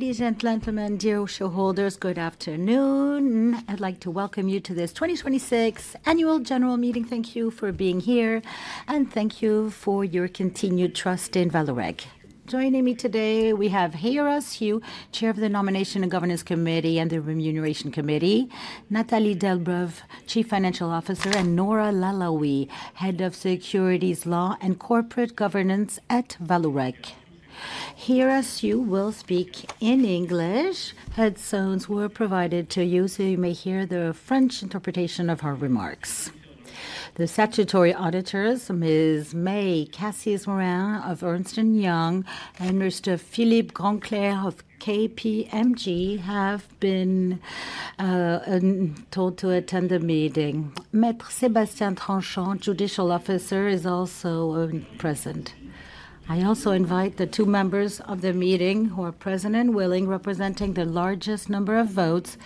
Ladies and gentlemen, dear shareholders, good afternoon. I'd like to welcome you to this 2026 annual general meeting. Thank you for being here, and thank you for your continued trust in Vallourec. Joining me today, we have Hera Siu, Chair of the Nomination and Governance Committee and the Remuneration Committee; Nathalie Delbreuve, Chief Financial Officer; and Norah Lalaoui, Head of Securities Law and Corporate Governance at Vallourec. Hera Siu will speak in English. Headsets were provided to you so you may hear the French interpretation of her remarks. The statutory auditors, Ms. May Kassis-Morin of Ernst & Young and Mr. Philippe Grandclerc of KPMG, have been told to attend the meeting. Maître Sébastien Tranchant, Judicial Officer, is also present. I also invite the two members of the meeting who are present and willing, representing the largest number of votes,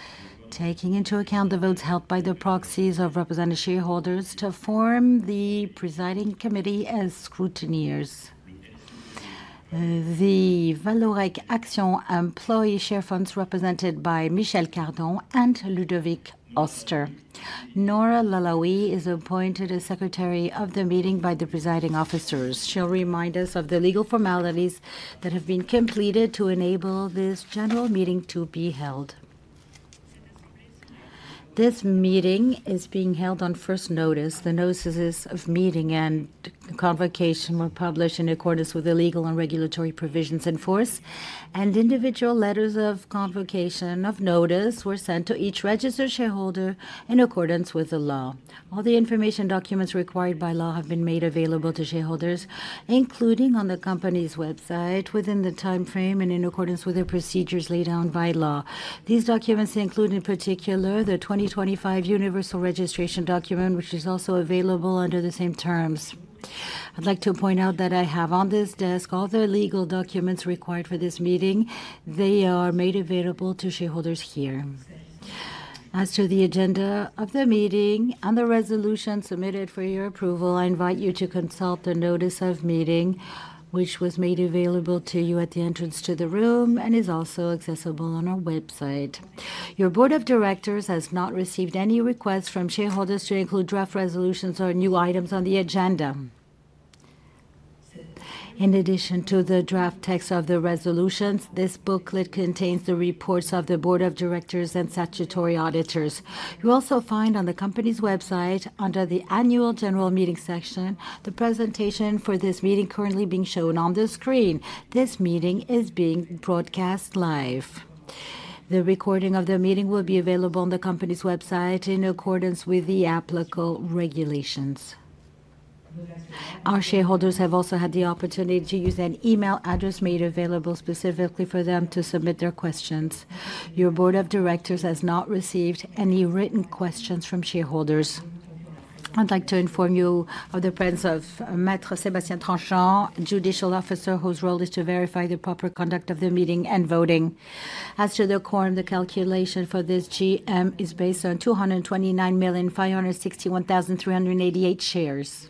taking into account the votes held by the proxies of representative shareholders, to form the presiding committee as scrutineers. The Vallourec Actions Employee Share Funds represented by Michel Cardon and Ludovic Oster. Norah Lalaoui is appointed as secretary of the meeting by the presiding officers. She'll remind us of the legal formalities that have been completed to enable this general meeting to be held. This meeting is being held on first notice. The notices of meeting and convocation were published in accordance with the legal and regulatory provisions in force, and individual letters of convocation of notice were sent to each registered shareholder in accordance with the law. All the information and documents required by law have been made available to shareholders, including on the company's website, within the timeframe and in accordance with the procedures laid down by law. These documents include, in particular, the 2025 universal registration document, which is also available under the same terms. I'd like to point out that I have on this desk all the legal documents required for this meeting. They are made available to shareholders here. As to the agenda of the meeting and the resolution submitted for your approval, I invite you to consult the notice of meeting, which was made available to you at the entrance to the room and is also accessible on our website. Your board of directors has not received any requests from shareholders to include draft resolutions or new items on the agenda. In addition to the draft text of the resolutions, this booklet contains the reports of the board of directors and statutory auditors. You also find on the company's website, under the Annual General Meeting section, the presentation for this meeting currently being shown on the screen. This meeting is being broadcast live. The recording of the meeting will be available on the company's website in accordance with the applicable regulations. Our shareholders have also had the opportunity to use an email address made available specifically for them to submit their questions. Your board of directors has not received any written questions from shareholders. I'd like to inform you of the presence of Maître Sébastien Tranchant, Judicial Officer, whose role is to verify the proper conduct of the meeting and voting. As to the quorum, the calculation for this GM is based on 229,561,388 shares.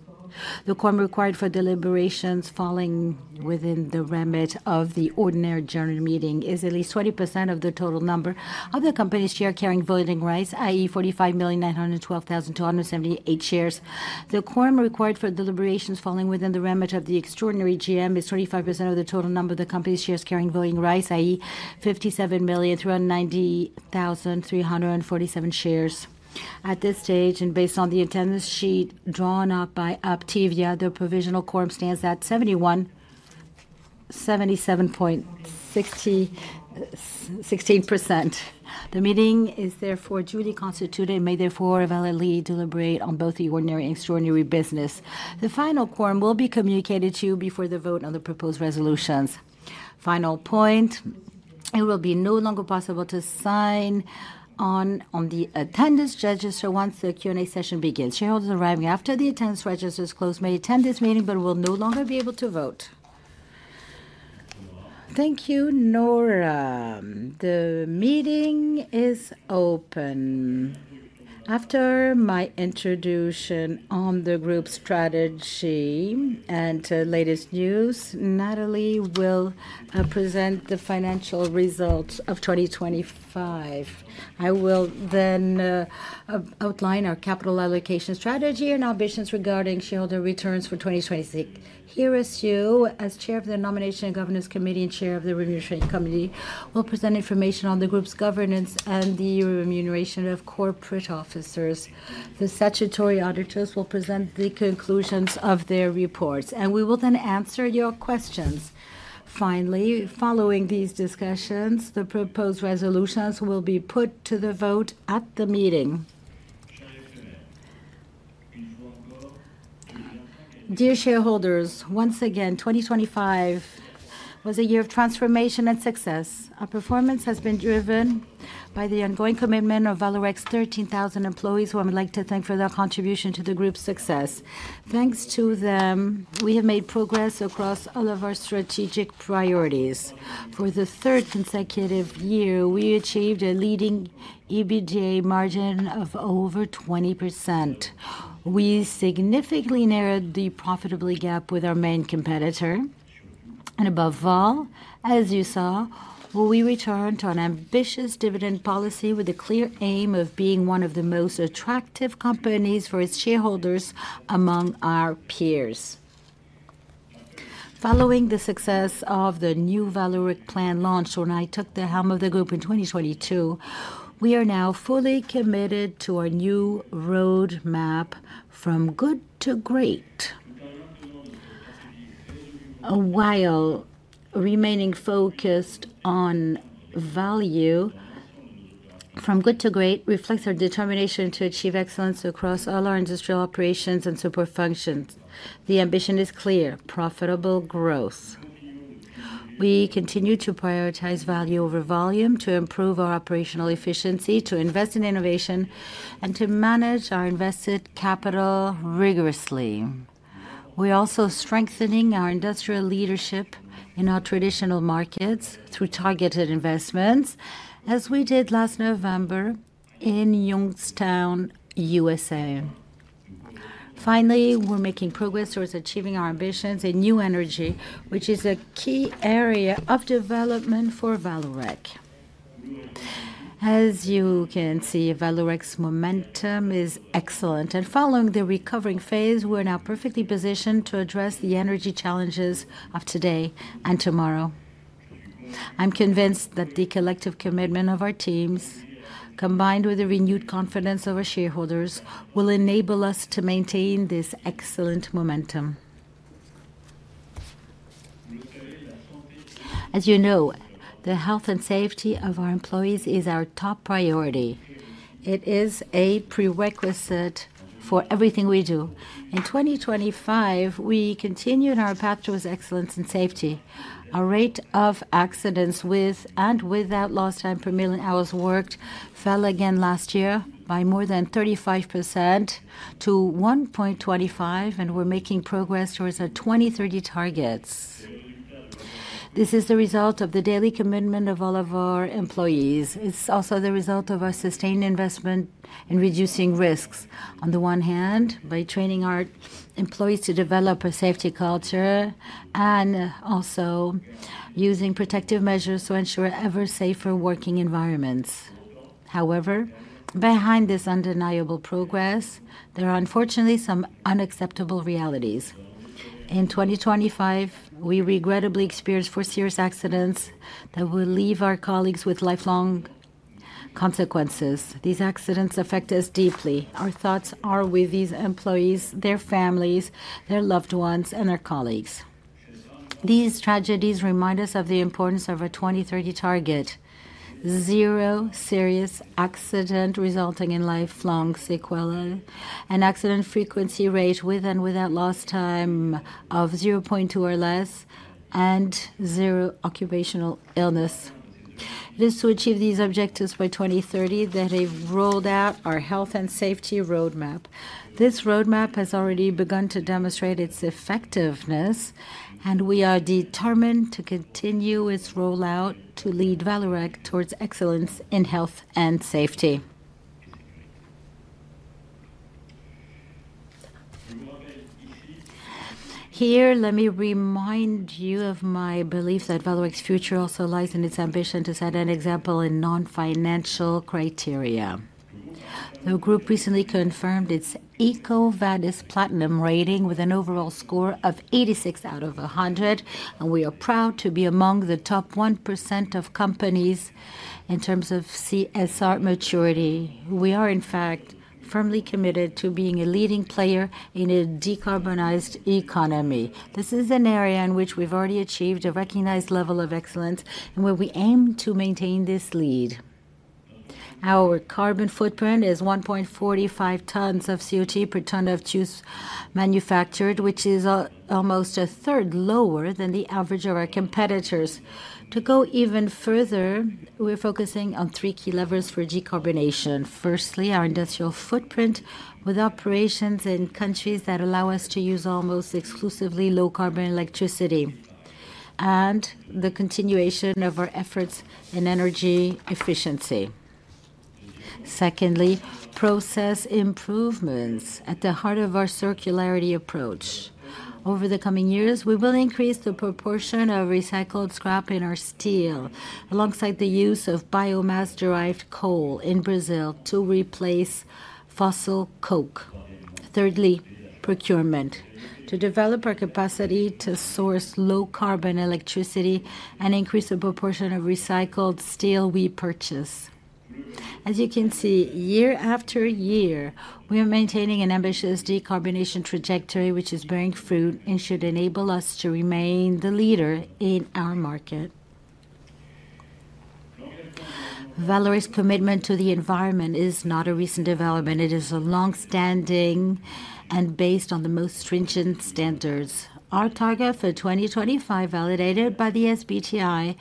The quorum required for deliberations falling within the remit of the ordinary general meeting is at least 20% of the total number of the company's share carrying voting rights, i.e., 45,912,278 shares. The quorum required for deliberations falling within the remit of the extraordinary GM is 25% of the total number of the company's shares carrying voting rights, i.e., 57,390,347 shares. At this stage, and based on the attendance sheet drawn up by Uptevia, the provisional quorum stands at 77.16%. The meeting is therefore duly constituted and may therefore validly deliberate on both the ordinary and extraordinary business. The final quorum will be communicated to you before the vote on the proposed resolutions. Final point, it will be no longer possible to sign on the attendance register once the Q&A session begins. Shareholders arriving after the attendance register is closed may attend this meeting but will no longer be able to vote. Thank you, Norah. The meeting is open. After my introduction on the group strategy and latest news, Nathalie will present the financial results of 2025. I will then outline our capital allocation strategy and ambitions regarding shareholder returns for 2026. Hera Siu, as Chair of the Nomination and Governance Committee and Chair of the Remuneration Committee, will present information on the group's governance and the remuneration of corporate officers. The statutory auditors will present the conclusions of their reports. We will then answer your questions. Finally, following these discussions, the proposed resolutions will be put to the vote at the meeting. Dear shareholders, once again, 2025 was a year of transformation and success. Our performance has been driven by the ongoing commitment of Vallourec's 13,000 employees, who I would like to thank for their contribution to the group's success. Thanks to them, we have made progress across all of our strategic priorities. For the third consecutive year, we achieved a leading EBITDA margin of over 20%. We significantly narrowed the profitability gap with our main competitor. Above all, as you saw, we return to an ambitious dividend policy with the clear aim of being one of the most attractive companies for its shareholders among our peers. Following the success of the New Vallourec plan launch when I took the helm of the group in 2022, we are now fully committed to our new roadmap From Good to Great. While remaining focused on value, From Good to Great reflects our determination to achieve excellence across all our industrial operations and support functions. The ambition is clear: profitable growth. We continue to prioritize value over volume to improve our operational efficiency, to invest in innovation, and to manage our invested capital rigorously. We're also strengthening our industrial leadership in our traditional markets through targeted investments, as we did last November in Youngstown, U.S.A. Finally, we're making progress towards achieving our ambitions in new energy, which is a key area of development for Vallourec. As you can see, Vallourec's momentum is excellent, and following the recovering phase, we are now perfectly positioned to address the energy challenges of today and tomorrow. I'm convinced that the collective commitment of our teams, combined with the renewed confidence of our shareholders, will enable us to maintain this excellent momentum. As you know, the health and safety of our employees is our top priority. It is a prerequisite for everything we do. In 2025, we continued on our path towards excellence and safety. Our rate of accidents with and without lost time per million hours worked fell again last year by more than 35% to 1.25. We're making progress towards our 2030 targets. This is the result of the daily commitment of all of our employees. It's also the result of our sustained investment in reducing risks, on the one hand, by training our employees to develop a safety culture and also using protective measures to ensure ever-safer working environments. However, behind this undeniable progress, there are unfortunately some unacceptable realities. In 2025, we regrettably experienced four serious accidents that will leave our colleagues with lifelong consequences. These accidents affect us deeply. Our thoughts are with these employees, their families, their loved ones, and their colleagues. These tragedies remind us of the importance of our 2030 target. Zero serious accident resulting in lifelong sequelae, an accident frequency rate with and without lost time of 0.2 or less, and zero occupational illness. It is to achieve these objectives by 2030 that we've rolled out our health and safety roadmap. This roadmap has already begun to demonstrate its effectiveness, and we are determined to continue its rollout to lead Vallourec towards excellence in health and safety. Here, let me remind you of my belief that Vallourec's future also lies in its ambition to set an example in non-financial criteria. The group recently confirmed its EcoVadis platinum rating with an overall score of 86 out of 100, and we are proud to be among the top 1% of companies in terms of CSR maturity. We are, in fact, firmly committed to being a leading player in a decarbonized economy. This is an area in which we've already achieved a recognized level of excellence and where we aim to maintain this lead. Our carbon footprint is 1.45 tonnes of CO2 per tonne of tubes manufactured, which is almost one third lower than the average of our competitors. To go even further, we are focusing on three key levers for decarbonization. Firstly, our industrial footprint with operations in countries that allow us to use almost exclusively low-carbon electricity and the continuation of our efforts in energy efficiency. Secondly, process improvements at the heart of our circularity approach. Over the coming years, we will increase the proportion of recycled scrap in our steel, alongside the use of biomass-derived coal in Brazil to replace fossil coke. Thirdly, procurement. To develop our capacity to source low-carbon electricity and increase the proportion of recycled steel we purchase. As you can see, year after year, we are maintaining an ambitious decarbonation trajectory, which is bearing fruit and should enable us to remain the leader in our market. Vallourec's commitment to the environment is not a recent development. It is long-standing and based on the most stringent standards. Our target for 2025, validated by the SBTi,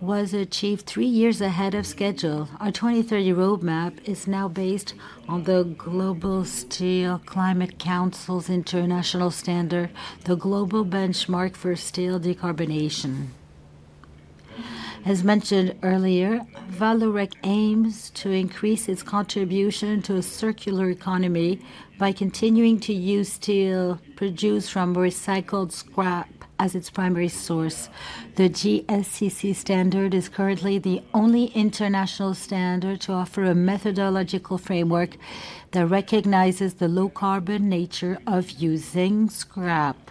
was achieved three years ahead of schedule. Our 2030 roadmap is now based on the Global Steel Climate Council's international standard, the global benchmark for steel decarbonation. As mentioned earlier, Vallourec aims to increase its contribution to a circular economy by continuing to use steel produced from recycled scrap as its primary source. The GSCC standard is currently the only international standard to offer a methodological framework that recognizes the low-carbon nature of using scrap.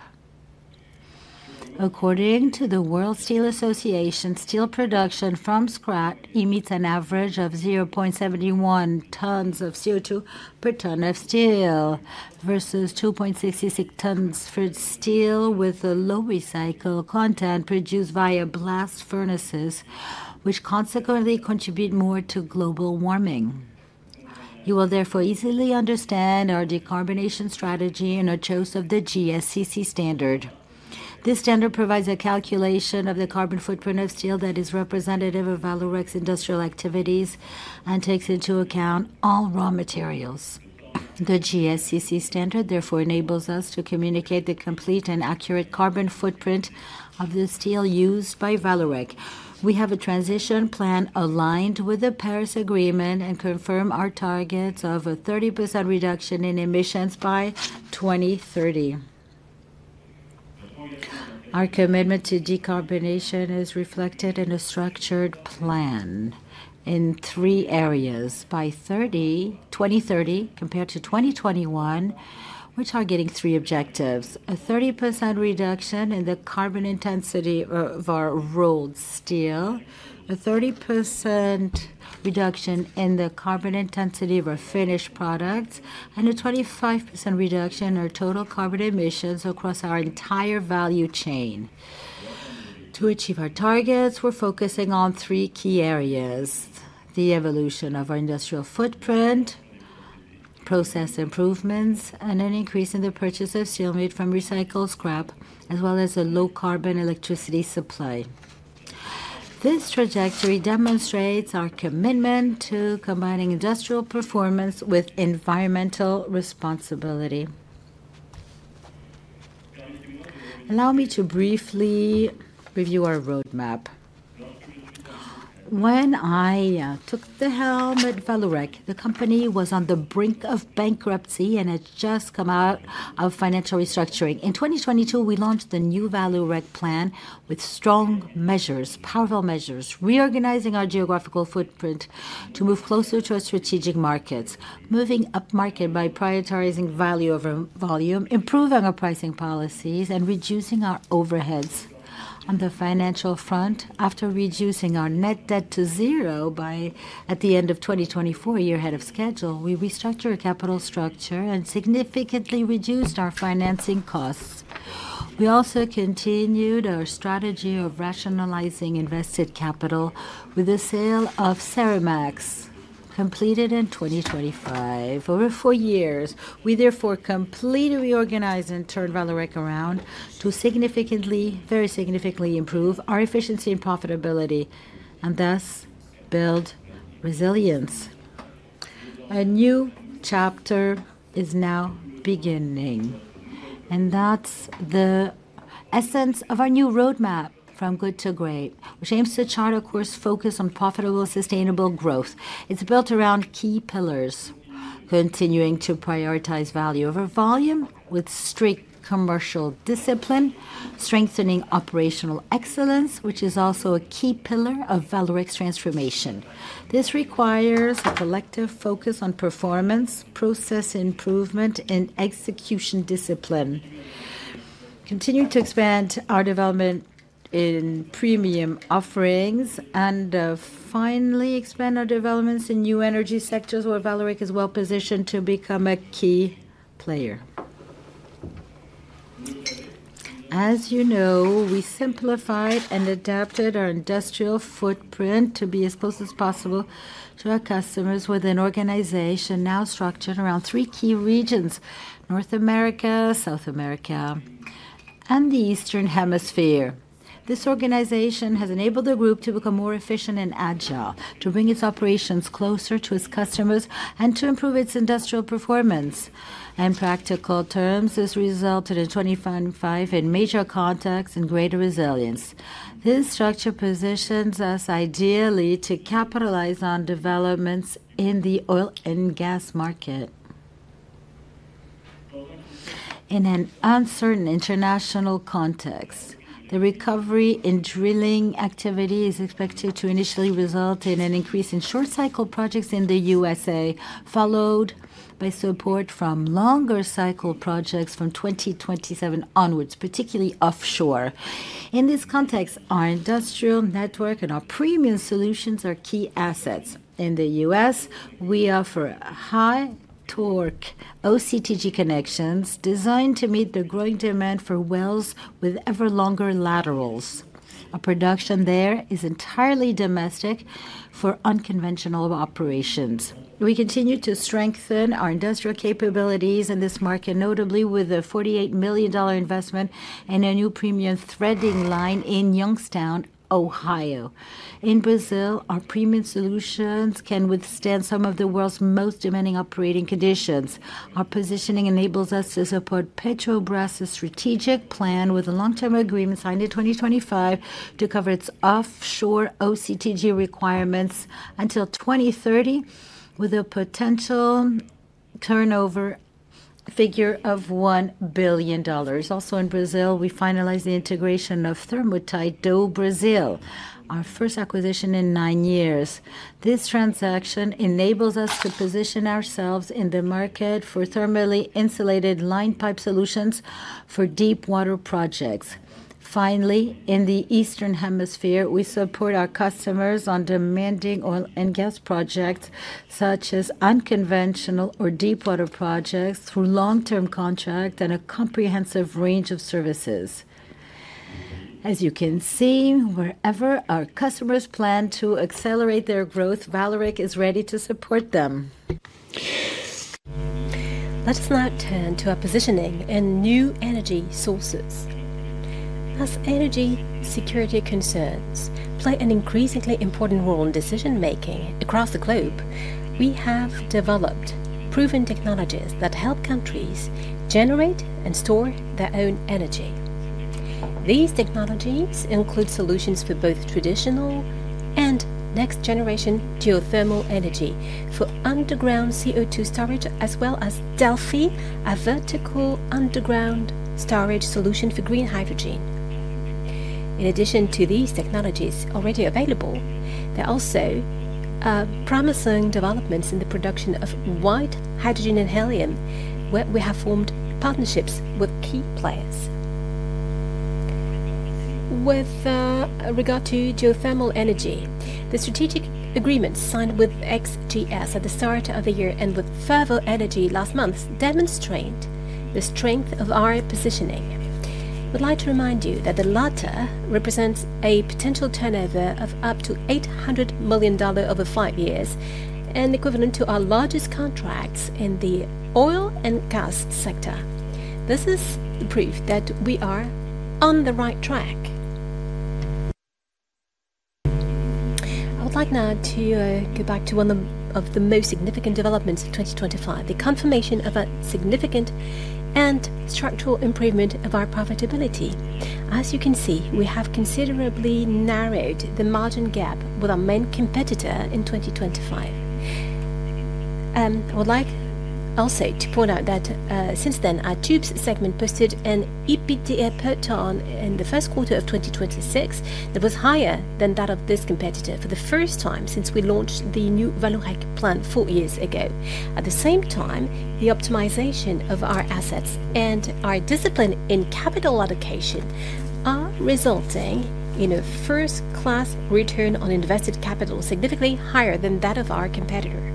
According to the World Steel Association, steel production from scrap emits an average of 0.71 tons of CO2 per ton of steel versus 2.66 tons for steel with a low recycle content produced via blast furnaces, which consequently contribute more to global warming. You will therefore easily understand our decarbonization strategy and our choice of the GSCC standard. This standard provides a calculation of the carbon footprint of steel that is representative of Vallourec's industrial activities and takes into account all raw materials. The GSCC standard therefore enables us to communicate the complete and accurate carbon footprint of the steel used by Vallourec. We have a transition plan aligned with the Paris Agreement and confirm our targets of a 30% reduction in emissions by 2030. Our commitment to decarbonization is reflected in a structured plan in three areas. By 2030 compared to 2021, we're targeting three objectives. A 30% reduction in the carbon intensity of our rolled steel, a 30% reduction in the carbon intensity of our finished product, and a 25% reduction in our total carbon emissions across our entire value chain. To achieve our targets, we're focusing on three key areas. The evolution of our industrial footprint, process improvements, and an increase in the purchase of steel made from recycled scrap, as well as a low-carbon electricity supply. This trajectory demonstrates our commitment to combining industrial performance with environmental responsibility. Allow me to briefly review our roadmap. When I took the helm at Vallourec, the company was on the brink of bankruptcy and had just come out of financial restructuring. In 2022, we launched the New Vallourec plan with strong measures, powerful measures, reorganizing our geographical footprint to move closer to our strategic markets, moving upmarket by prioritizing value over volume, improving our pricing policies, and reducing our overheads. On the financial front, after reducing our net debt to zero at the end of 2024, a year ahead of schedule, we restructured our capital structure and significantly reduced our financing costs. We also continued our strategy of rationalizing invested capital with the sale of Serimax completed in 2025. Over four years, we therefore completely reorganized and turned Vallourec around to very significantly improve our efficiency and profitability, and thus build resilience. A new chapter is now beginning, and that's the essence of our new roadmap, From Good to Great, which aims to chart a course focused on profitable, sustainable growth. It's built around key pillars, continuing to prioritize value over volume with strict commercial discipline, strengthening operational excellence, which is also a key pillar of Vallourec's transformation. This requires a collective focus on performance, process improvement, and execution discipline. Continue to expand our development in premium offerings, and finally expand our developments in new energy sectors where Vallourec is well positioned to become a key player. As you know, we simplified and adapted our industrial footprint to be as close as possible to our customers with an organization now structured around three key regions, North America, South America, and the Eastern Hemisphere. This organization has enabled the group to become more efficient and agile, to bring its operations closer to its customers, and to improve its industrial performance. In practical terms, this resulted in 2025 in major contacts and greater resilience. This structure positions us ideally to capitalize on developments in the oil and gas market. In an uncertain international context, the recovery in drilling activity is expected to initially result in an increase in short cycle projects in the U.S., followed by support from longer cycle projects from 2027 onwards, particularly offshore. In this context, our industrial network and our premium solutions are key assets. In the U.S., we offer high torque OCTG connections designed to meet the growing demand for wells with ever longer laterals. Our production there is entirely domestic for unconventional operations. We continue to strengthen our industrial capabilities in this market, notably with a $48 million investment in a new premium threading line in Youngstown, Ohio. In Brazil, our premium solutions can withstand some of the world's most demanding operating conditions. Our positioning enables us to support Petrobras' strategic plan with a long-term agreement signed in 2025 to cover its offshore OCTG requirements until 2030, with a potential turnover figure of $1 billion. Also, in Brazil, we finalized the integration of Thermotite do Brasil, our first acquisition in nine years. This transaction enables us to position ourselves in the market for thermally insulated lined pipe solutions for deepwater projects. Finally, in the eastern hemisphere, we support our customers on demanding oil and gas projects, such as unconventional or deepwater projects, through long-term contract and a comprehensive range of services. As you can see, wherever our customers plan to accelerate their growth, Vallourec is ready to support them. Let's now turn to our positioning in new energy sources. As energy security concerns play an increasingly important role in decision-making across the globe, we have developed proven technologies that help countries generate and store their own energy. These technologies include solutions for both traditional and next-generation geothermal energy for underground CO2 storage, as well as Delphy, a vertical underground storage solution for green hydrogen. In addition to these technologies already available, there are also promising developments in the production of white hydrogen and helium, where we have formed partnerships with key players. With regard to geothermal energy, the strategic agreement signed with XGS at the start of the year and with Fervo Energy last month demonstrate the strength of our positioning. We would like to remind you that the latter represents a potential turnover of up to $800 million over five years and equivalent to our largest contracts in the oil and gas sector. This is the proof that we are on the right track. I would like now to go back to one of the most significant developments of 2025, the confirmation of a significant and structural improvement of our profitability. As you can see, we have considerably narrowed the margin gap with our main competitor in 2025. I would like also to point out that since then, our tubes segment posted an EBITDA per ton in the first quarter of 2026 that was higher than that of this competitor for the first time since we launched the New Vallourec plan four years ago. At the same time, the optimization of our assets and our discipline in capital allocation are resulting in a first-class return on invested capital, significantly higher than that of our competitor.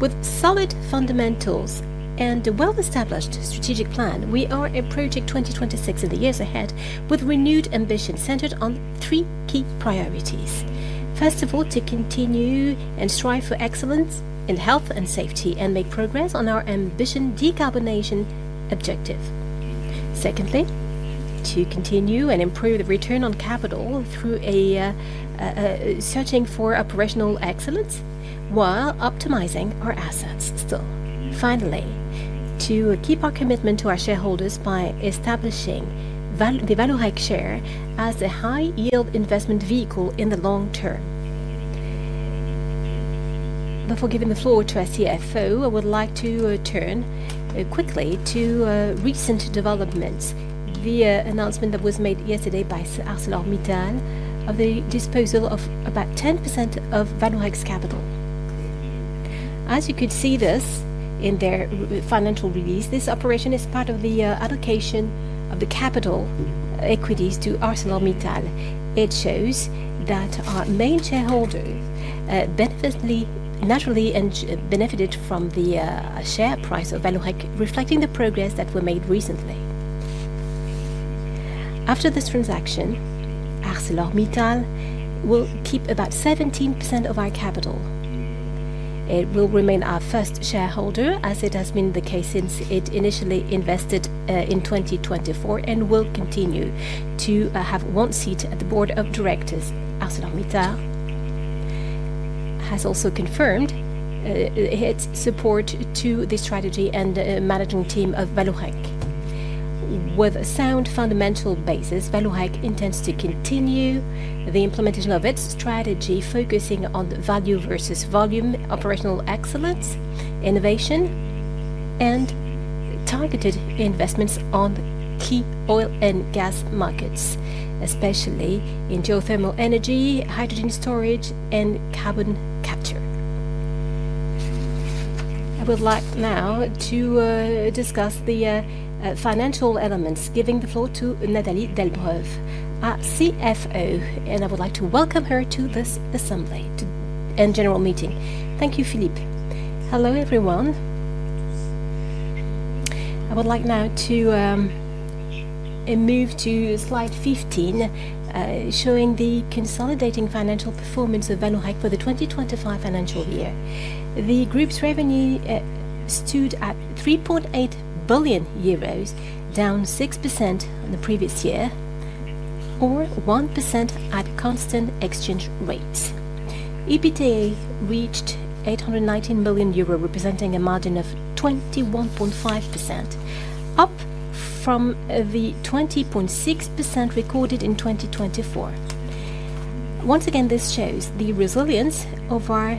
With solid fundamentals and a well-established strategic plan, we are approaching 2026 and the years ahead with renewed ambition centered on three key priorities. First of all, to continue and strive for excellence in health and safety and make progress on our ambition decarbonization objective. Secondly, to continue and improve the return on capital through searching for operational excellence while optimizing our assets still. Finally, to keep our commitment to our shareholders by establishing the Vallourec share as a high-yield investment vehicle in the long term. Before giving the floor to our CFO, I would like to turn quickly to recent developments. The announcement that was made yesterday by ArcelorMittal of the disposal of about 10% of Vallourec's capital. As you could see this in their financial release, this operation is part of the allocation of the capital equities to ArcelorMittal. It shows that our main shareholder naturally benefited from the share price of Vallourec, reflecting the progress that were made recently. After this transaction, ArcelorMittal will keep about 17% of our capital. It will remain our first shareholder, as it has been the case since it initially invested in 2024 and will continue to have one seat at the board of directors. ArcelorMittal has also confirmed its support to the strategy and managing team of Vallourec. With a sound fundamental basis, Vallourec intends to continue the implementation of its strategy, focusing on value versus volume, operational excellence, innovation, and targeted investments on key oil and gas markets, especially in geothermal energy, hydrogen storage, and carbon capture. I would like now to discuss the financial elements, giving the floor to Nathalie Delbreuve, our CFO, and I would like to welcome her to this assembly and general meeting. Thank you, Philippe. Hello, everyone. I would like now to move to slide 15, showing the consolidating financial performance of Vallourec for the 2025 financial year. The group's revenue stood at 3.8 billion euros, down 6% on the previous year. 1% at constant exchange rates. EBITDA reached 819 million euro, representing a margin of 21.5%, up from the 20.6% recorded in 2024. Once again, this shows the resilience of our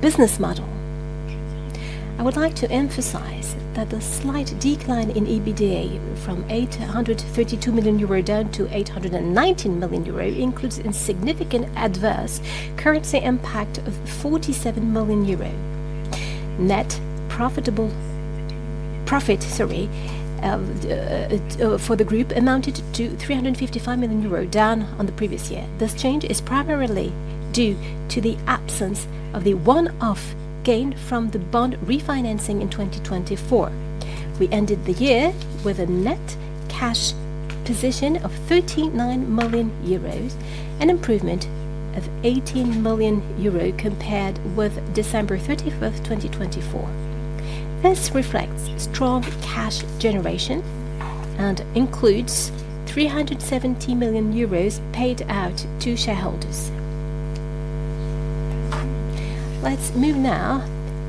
business model. I would like to emphasize that the slight decline in EBITDA from 832 million euro down to 819 million euro includes a significant adverse currency impact of 47 million euro. Net profit for the group amounted to 355 million euro, down on the previous year. This change is primarily due to the absence of the one-off gain from the bond refinancing in 2024. We ended the year with a net cash position of 39 million euros, an improvement of 18 million euro compared with December 31st, 2024. This reflects strong cash generation and includes 370 million euros paid out to shareholders. Let's move now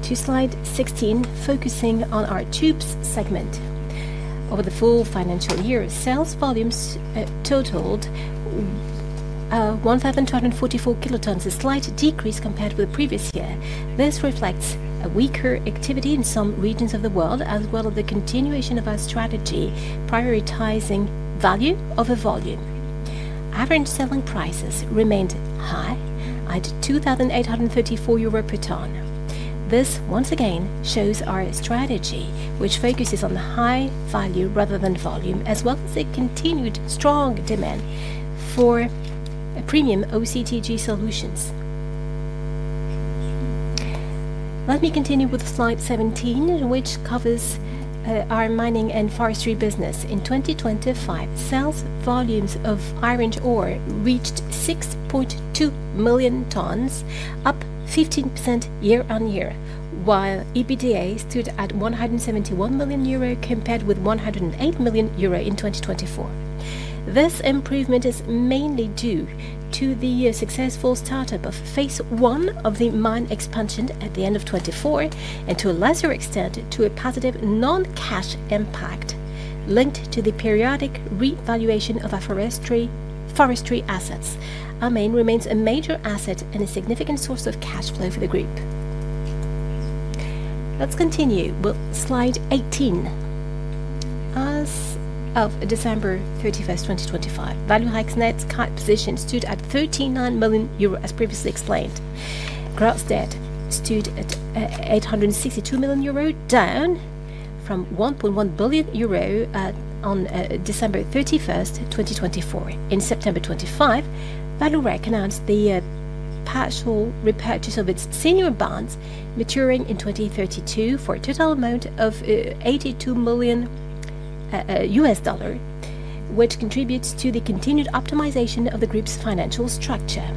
to slide 16, focusing on our tubes segment. Over the full financial year, sales volumes totaled 1,244 kilotons, a slight decrease compared with the previous year. This reflects a weaker activity in some regions of the world, as well as the continuation of our strategy, prioritizing value over volume. Average selling prices remained high at 2,834 euro per ton. This once again shows our strategy, which focuses on the high value rather than volume, as well as a continued strong demand for premium OCTG solutions. Let me continue with slide 17, which covers our mining and forestry business. In 2025, sales volumes of iron ore reached 6.2 million tons, up 15% year on year, while EBITDA stood at 171 million euro, compared with 108 million euro in 2024. This improvement is mainly due to the successful startup of phase I of the mine expansion at the end of 2024. To a lesser extent, to a positive non-cash impact linked to the periodic revaluation of our forestry assets. Our mine remains a major asset and a significant source of cash flow for the group. Let's continue with slide 18. As of December 31, 2025, Vallourec's net cash position stood at €39 million, as previously explained. Gross debt stood at €862 million, down from €1.1 billion on December 31, 2024. In September 2025, Vallourec announced the partial repurchase of its senior bonds maturing in 2032 for a total amount of $82 million, which contributes to the continued optimization of the group's financial structure.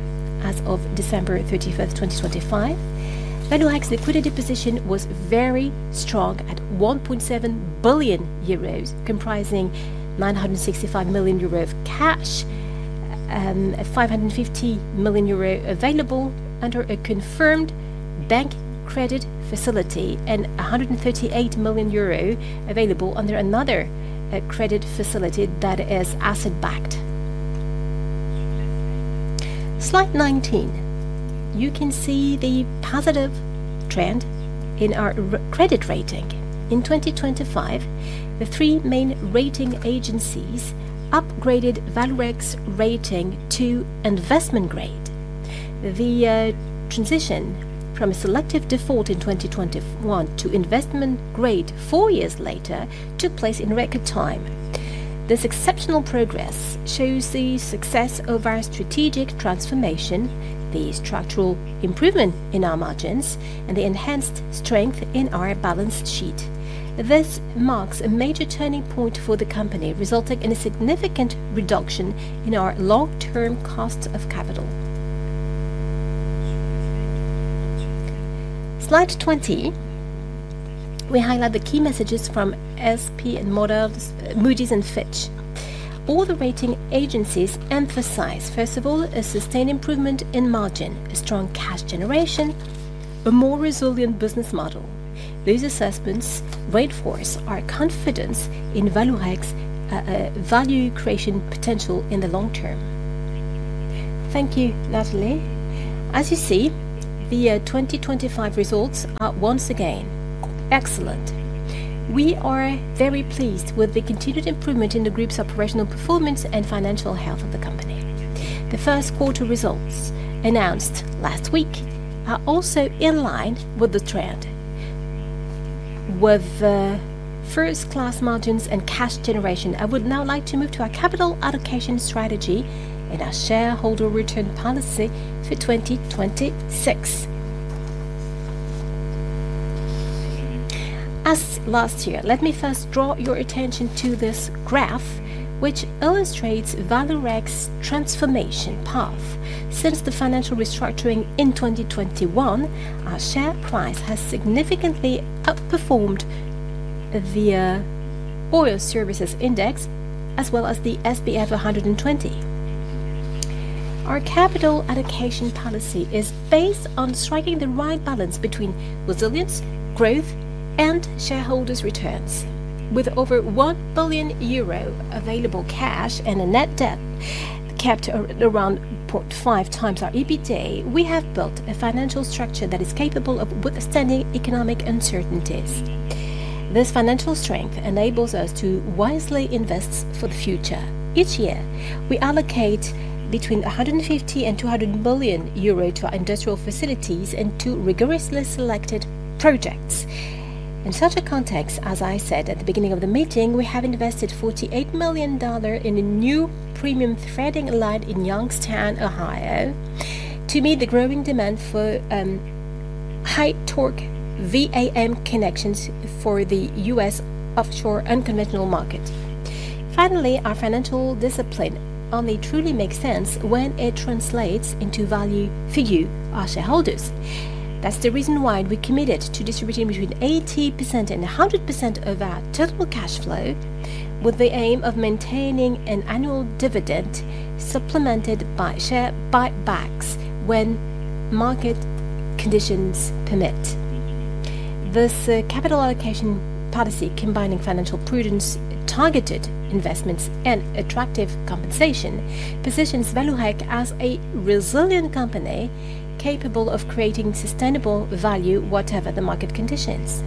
As of December 31st, 2025, Vallourec's liquidity position was very strong at 1.7 billion euros, comprising 965 million euros of cash, 550 million euros available under a confirmed bank credit facility, and 138 million euro available under another credit facility that is asset backed. Slide 19. You can see the positive trend in our credit rating. In 2025, the three main rating agencies upgraded Vallourec's rating to investment grade. The transition from a selective default in 2021 to investment grade four years later took place in record time. This exceptional progress shows the success of our strategic transformation, the structural improvement in our margins, and the enhanced strength in our balance sheet. This marks a major turning point for the company, resulting in a significant reduction in our long-term cost of capital. Slide 20, we highlight the key messages from S&P and Moody's and Fitch. All the rating agencies emphasize, first of all, a sustained improvement in margin, a strong cash generation, a more resilient business model. These assessments reinforce our confidence in Vallourec's value creation potential in the long term. Thank you, Nathalie. As you see, the 2025 results are once again excellent. We are very pleased with the continued improvement in the group's operational performance and financial health of the company. The first quarter results announced last week are also in line with the trend. With first-class margins and cash generation, I would now like to move to our capital allocation strategy and our shareholder return policy for 2026. As last year, let me first draw your attention to this graph, which illustrates Vallourec's transformation path. Since the financial restructuring in 2021, our share price has significantly outperformed the Oil Services Index, as well as the SBF 120. Our capital allocation policy is based on striking the right balance between resilience, growth, and shareholders' returns. With over 1 billion euro available cash and a net debt kept around 0.5 times our EBITDA, we have built a financial structure that is capable of withstanding economic uncertainties. This financial strength enables us to wisely invest for the future. Each year, we allocate between 150 million and 200 million euro to industrial facilities and to rigorously selected projects. In such a context, as I said at the beginning of the meeting, we have invested $48 million in a new premium threading line in Youngstown, Ohio, to meet the growing demand for high-torque VAM connections for the U.S. offshore unconventional market. Finally, our financial discipline only truly makes sense when it translates into value for you, our shareholders. That's the reason why we committed to distributing between 80% and 100% of our total cash flow, with the aim of maintaining an annual dividend supplemented by share buybacks when market conditions permit. This capital allocation policy, combining financial prudence, targeted investments, and attractive compensation, positions Vallourec as a resilient company capable of creating sustainable value, whatever the market conditions.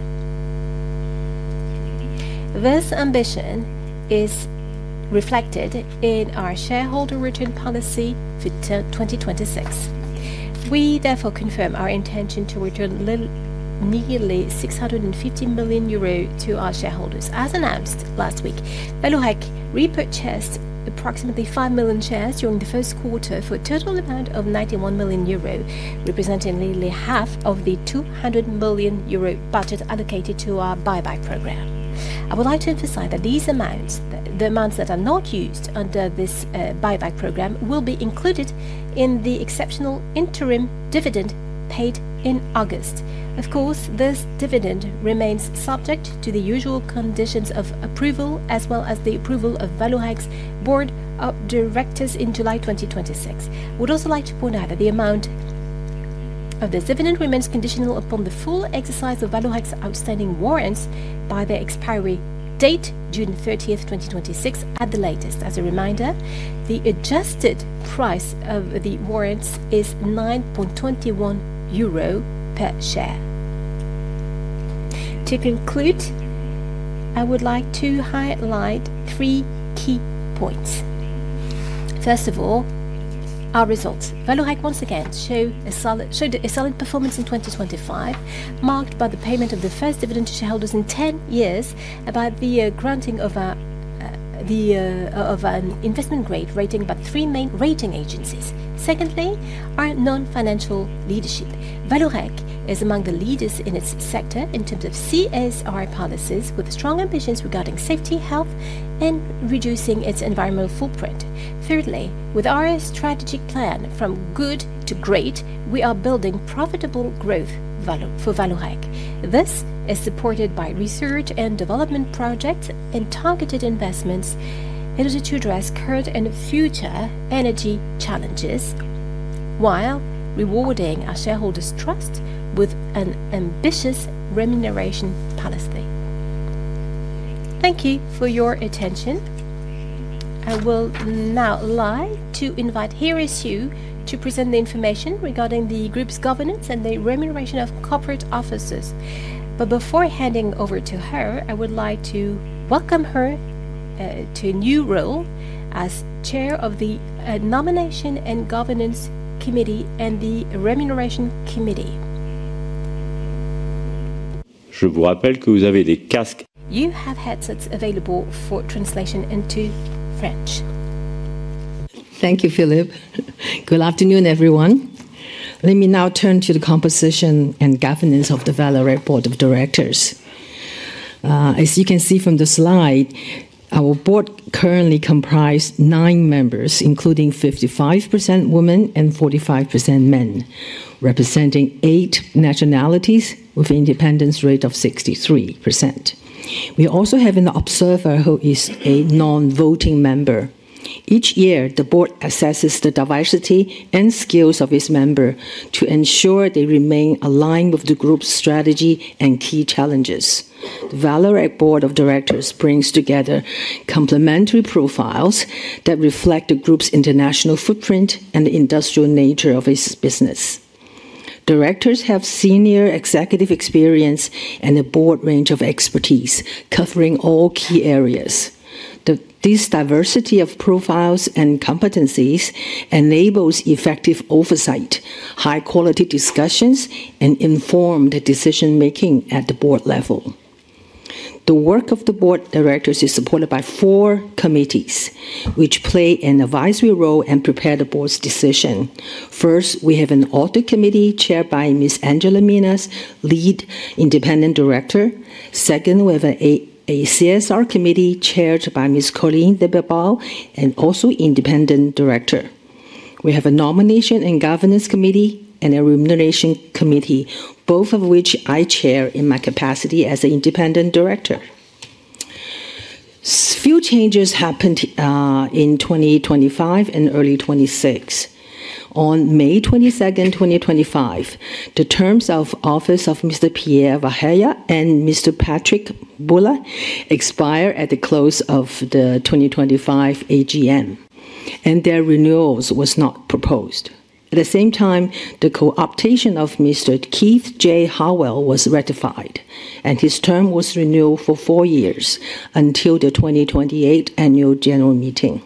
This ambition is reflected in our shareholder return policy for 2026. We therefore confirm our intention to return nearly 650 million euro to our shareholders. As announced last week, Vallourec repurchased approximately 5 million shares during the first quarter for a total amount of 91 million euro, representing nearly half of the 200 million euro budget allocated to our buyback program. I would like to emphasize that the amounts that are not used under this buyback program will be included in the exceptional interim dividend paid in August. Of course, this dividend remains subject to the usual conditions of approval, as well as the approval of Vallourec's board of directors in July 2026. I would also like to point out that the amount of this dividend remains conditional upon the full exercise of Vallourec's outstanding warrants by their expiry date, June 30th, 2026, at the latest. As a reminder, the adjusted price of the warrants is €9.21 per share. To conclude, I would like to highlight three key points. First of all, our results. Vallourec once again showed a solid performance in 2025, marked by the payment of the first dividend to shareholders in 10 years about the granting of an investment-grade rating by three main rating agencies. Secondly, our non-financial leadership. Vallourec is among the leaders in its sector in terms of CSR policies, with strong ambitions regarding safety, health, and reducing its environmental footprint. Thirdly, with our strategic plan, From Good to Great, we are building profitable growth for Vallourec. This is supported by research and development projects and targeted investments in order to address current and future energy challenges while rewarding our shareholders' trust with an ambitious remuneration policy. Thank you for your attention. I will now like to invite Hera Siu to present the information regarding the group's governance and the remuneration of corporate officers. Before handing over to her, I would like to welcome her to a new role as Chair of the Nomination and Governance committee and of the Remuneration committee. You have headsets available for translation into French. Thank you, Philippe. Good afternoon, everyone. Let me now turn to the composition and governance of the Vallourec Board of Directors. As you can see from the slide, our board currently comprise nine members, including 55% women and 45% men, representing eight nationalities with an independence rate of 63%. We also have an observer who is a non-voting member. Each year, the board assesses the diversity and skills of its member to ensure they remain aligned with the Group's strategy and key challenges. Vallourec board of directors brings together complementary profiles that reflect the Group's international footprint and the industrial nature of its business. Directors have senior executive experience and a broad range of expertise covering all key areas. This diversity of profiles and competencies enables effective oversight, high-quality discussions, and informed decision-making at the board level. The work of the board of directors is supported by four committees, which play an advisory role and prepare the board's decision. First, we have an audit committee chaired by Ms. Angela Minas, Lead Independent Director. Second, we have a CSR committee chaired by Ms. Corinne de Bilbao, and also Independent Director. We have a nomination and governance committee and a remuneration committee, both of which I chair in my capacity as an independent director. Few changes happened in 2025 and early 2026. On May 22nd, 2025, the terms of office of Mr. Pierre Vareille and Mr. Patrick Poulin expire at the close of the 2025 AGM, their renewals was not proposed. At the same time, the co-optation of Mr. Keith James Howell was ratified, and his term was renewed for four years until the 2028 annual general meeting.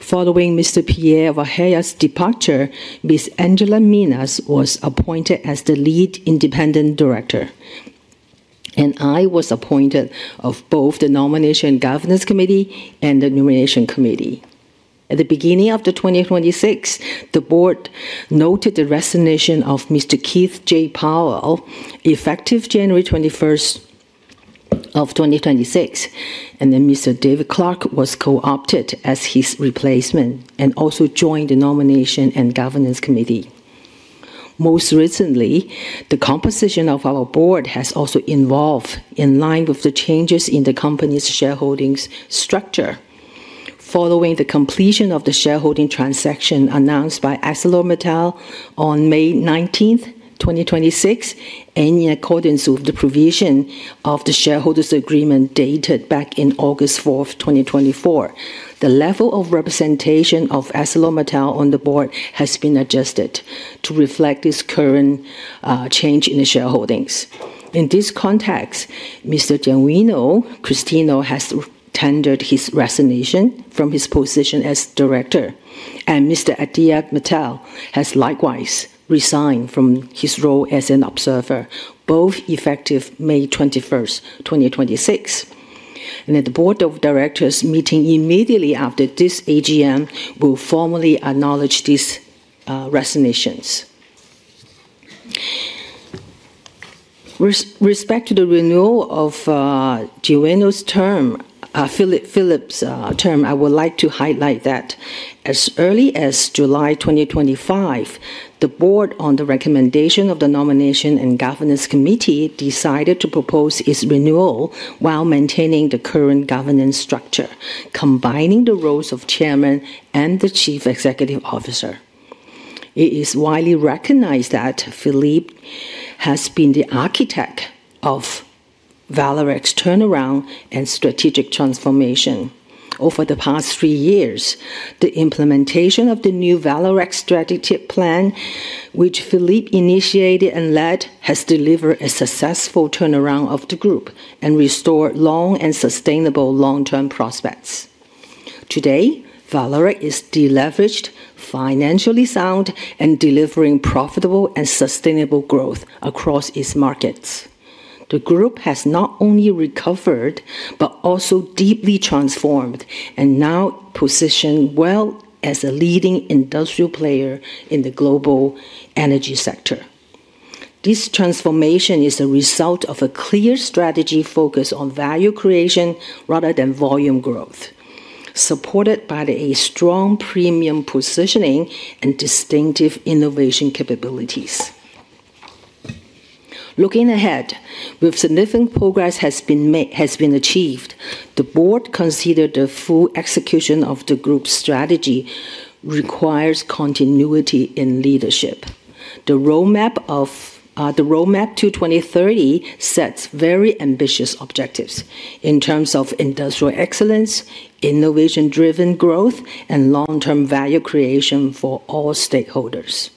Following Mr. Pierre Vareille's departure, Ms. Angela Minas was appointed as the Lead Independent Director, and I was appointed of both the Nomination and Governance Committee and the Nomination Committee. At the beginning of 2026, the board noted the resignation of Mr. Keith James Howell, effective January 21st, 2026. Mr. David Clarke was co-opted as his replacement and also joined the Nomination and Governance Committee. Most recently, the composition of our board has also involved in line with the changes in the company's shareholdings structure. Following the completion of the shareholding transaction announced by ArcelorMittal on May 19th, 2026, in accordance with the provision of the shareholders agreement dated back in August 4th, 2024. The level of representation of ArcelorMittal on the Board has been adjusted to reflect this current change in the shareholdings. In this context, Genuino Magalhaes Christino has tendered his resignation from his position as director, and Aditya Mittal has likewise resigned from his role as an observer, both effective May 21, 2026. The board of directors meeting immediately after this AGM will formally acknowledge these resignations. With respect to the renewal of Philippe's term, I would like to highlight that as early as July 2025, the board, on the recommendation of the nomination and governance committee, decided to propose its renewal while maintaining the current governance structure, combining the roles of chairman and chief executive officer. It is widely recognized that Philippe has been the architect of Vallourec's turnaround and strategic transformation. Over the past three years, the implementation of the New Vallourec plan, which Philippe initiated and led, has delivered a successful turnaround of the group and restored long and sustainable long-term prospects. Today, Vallourec is deleveraged, financially sound, and delivering profitable and sustainable growth across its markets. The group has not only recovered, but also deeply transformed and now positioned well as a leading industrial player in the global energy sector. This transformation is a result of a clear strategy focused on value creation rather than volume growth, supported by a strong premium positioning and distinctive innovation capabilities. Looking ahead with significant progress has been achieved. The board considered the full execution of the group's strategy requires continuity in leadership. The roadmap to 2030 sets very ambitious objectives in terms of industrial excellence, innovation-driven growth, and long-term value creation for all stakeholders.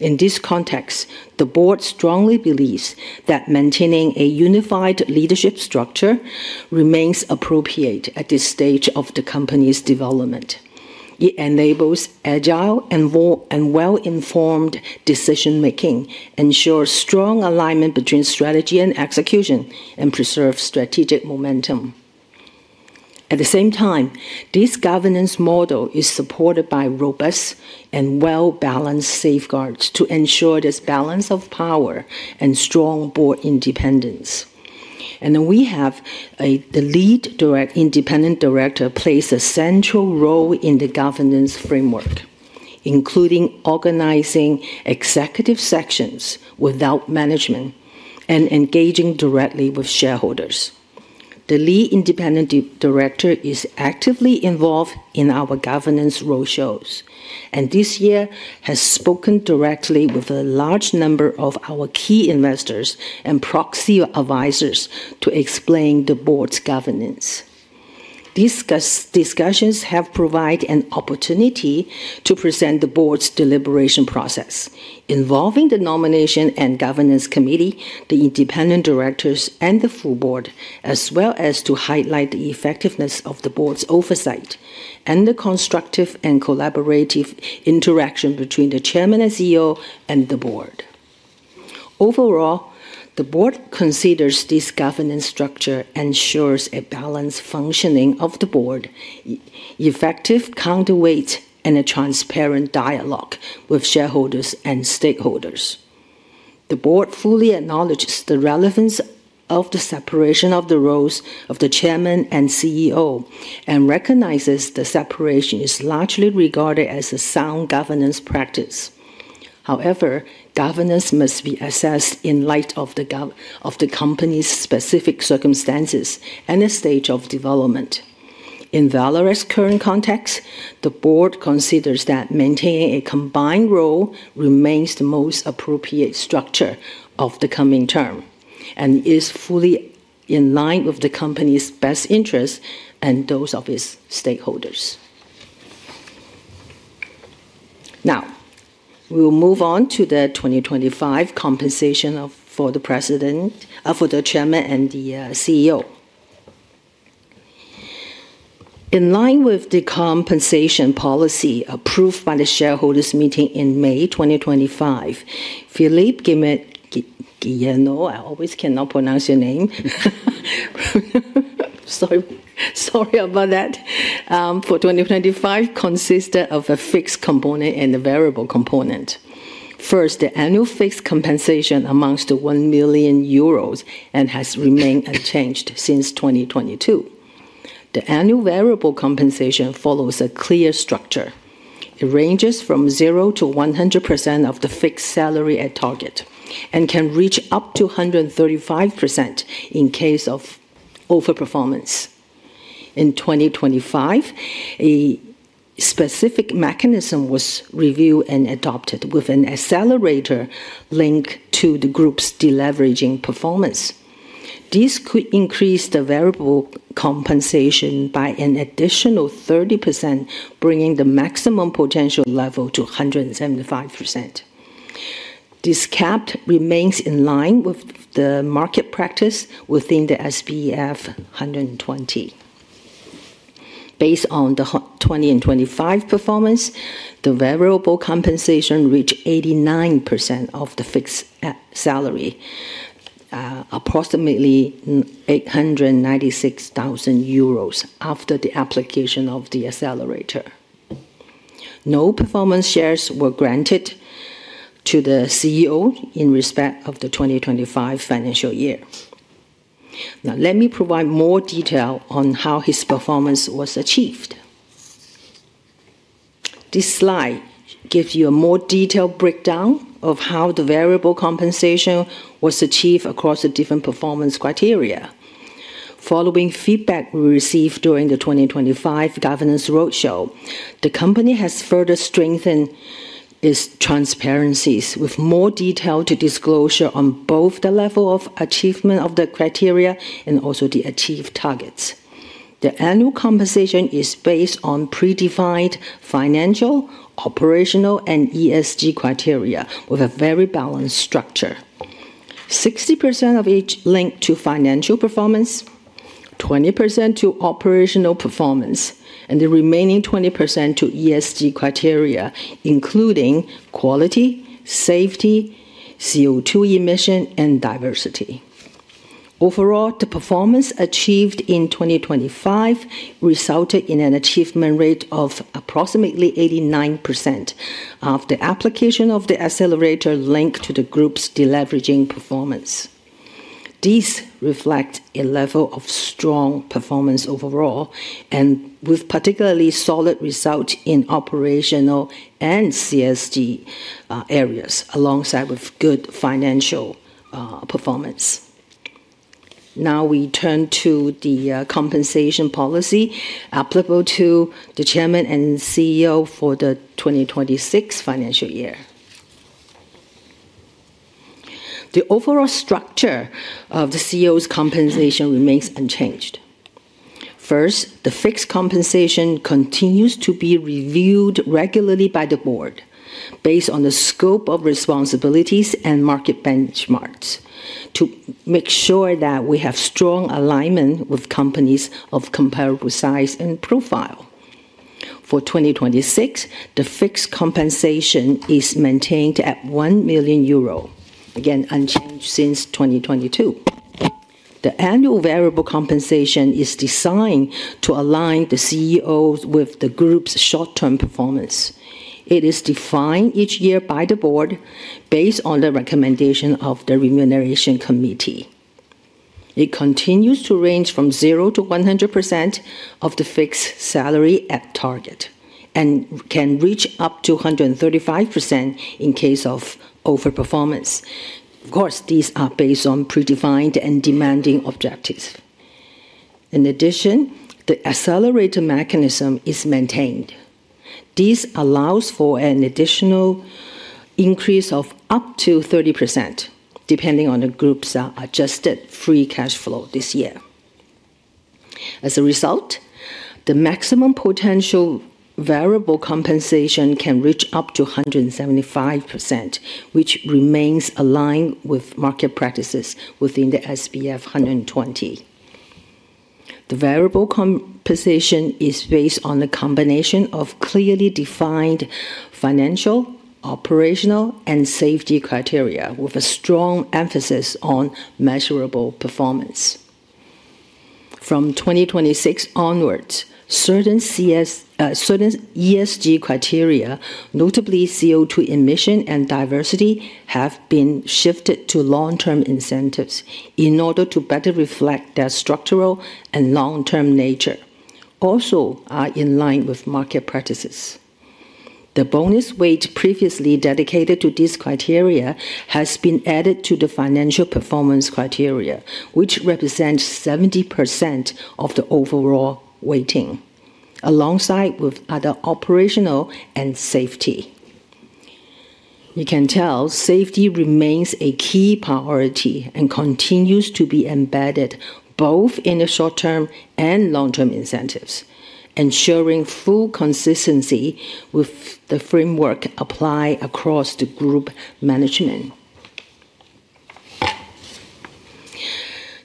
In this context, the board strongly believes that maintaining a unified leadership structure remains appropriate at this stage of the company's development. It enables agile and well-informed decision-making, ensures strong alignment between strategy and execution, and preserves strategic momentum. At the same time, this governance model is supported by robust and well-balanced safeguards to ensure there's balance of power and strong board independence. We have the lead independent director plays a central role in the governance framework, including organizing executive sessions without management and engaging directly with shareholders. The lead independent director is actively involved in our governance roadshows, and this year has spoken directly with a large number of our key investors and proxy advisors to explain the board's governance. These discussions have provided an opportunity to present the board's deliberation process involving the nomination and governance committee, the independent directors, and the full board, as well as to highlight the effectiveness of the board's oversight and the constructive and collaborative interaction between the Chairman and CEO and the board. Overall, the board considers this governance structure ensures a balanced functioning of the board, effective counterweight, and a transparent dialogue with shareholders and stakeholders. The board fully acknowledges the relevance of the separation of the roles of the Chairman and CEO, and recognizes the separation is largely regarded as a sound governance practice. Governance must be assessed in light of the company's specific circumstances and the stage of development. In Vallourec's current context, the board considers that maintaining a combined role remains the most appropriate structure of the coming term, and is fully in line with the company's best interests and those of its stakeholders. We will move on to the 2025 compensation for the Chairman and the CEO. In line with the compensation policy approved by the shareholders meeting in May 2025, Philippe Guillemot, I always cannot pronounce your name. Sorry about that. For 2025, consisted of a fixed component and a variable component. First, the annual fixed compensation amounts to 1 million euros and has remained unchanged since 2022. The annual variable compensation follows a clear structure. It ranges from 0% to 100% of the fixed salary at target and can reach up to 135% in case of over-performance. In 2025, a specific mechanism was reviewed and adopted with an accelerator linked to the group's deleveraging performance. This could increase the variable compensation by an additional 30%, bringing the maximum potential level to 175%. This cap remains in line with the market practice within the SBF 120. Based on the 2025 performance, the variable compensation reached 89% of the fixed salary. Approximately 896,000 euros after the application of the accelerator. No performance shares were granted to the CEO in respect of the 2025 financial year. Let me provide more detail on how his performance was achieved. This slide gives you a more detailed breakdown of how the variable compensation was achieved across the different performance criteria. Following feedback we received during the 2025 governance roadshow, the company has further strengthened its transparency with more detail to disclosure on both the level of achievement of the criteria and also the achieved targets. The annual compensation is based on predefined financial, operational, and ESG criteria with a very balanced structure. 60% of each linked to financial performance, 20% to operational performance, and the remaining 20% to ESG criteria, including quality, safety, CO2 emissions, and diversity. Overall, the performance achieved in 2025 resulted in an achievement rate of approximately 89% after application of the accelerator linked to the Group's deleveraging performance. These reflect a level of strong performance overall and with particularly solid result in operational and ESG areas alongside with good financial performance. Now we turn to the compensation policy applicable to the Chairman and CEO for the 2026 financial year. The overall structure of the CEO's compensation remains unchanged. First, the fixed compensation continues to be reviewed regularly by the Board based on the scope of responsibilities and market benchmarks to make sure that we have strong alignment with companies of comparable size and profile. For 2026, the fixed compensation is maintained at 1 million euro, again, unchanged since 2022. The annual variable compensation is designed to align the CEO with the Group's short-term performance. It is defined each year by the Board based on the recommendation of the Remuneration Committee. It continues to range from zero to 100% of the fixed salary at target and can reach up to 135% in case of over-performance. Of course, these are based on predefined and demanding objectives. In addition, the accelerator mechanism is maintained. This allows for an additional increase of up to 30%, depending on the group's adjusted free cash flow this year. As a result, the maximum potential variable compensation can reach up to 175%, which remains aligned with market practices within the SBF 120. The variable compensation is based on a combination of clearly defined financial, operational, and safety criteria with a strong emphasis on measurable performance. From 2026 onwards, certain ESG criteria, notably CO2 emission and diversity, have been shifted to long-term incentives in order to better reflect their structural and long-term nature. Also are in line with market practices. The bonus weight previously dedicated to this criteria has been added to the financial performance criteria, which represents 70% of the overall weighting, alongside with other operational and safety. You can tell safety remains a key priority and continues to be embedded both in the short-term and long-term incentives, ensuring full consistency with the framework applied across the group management.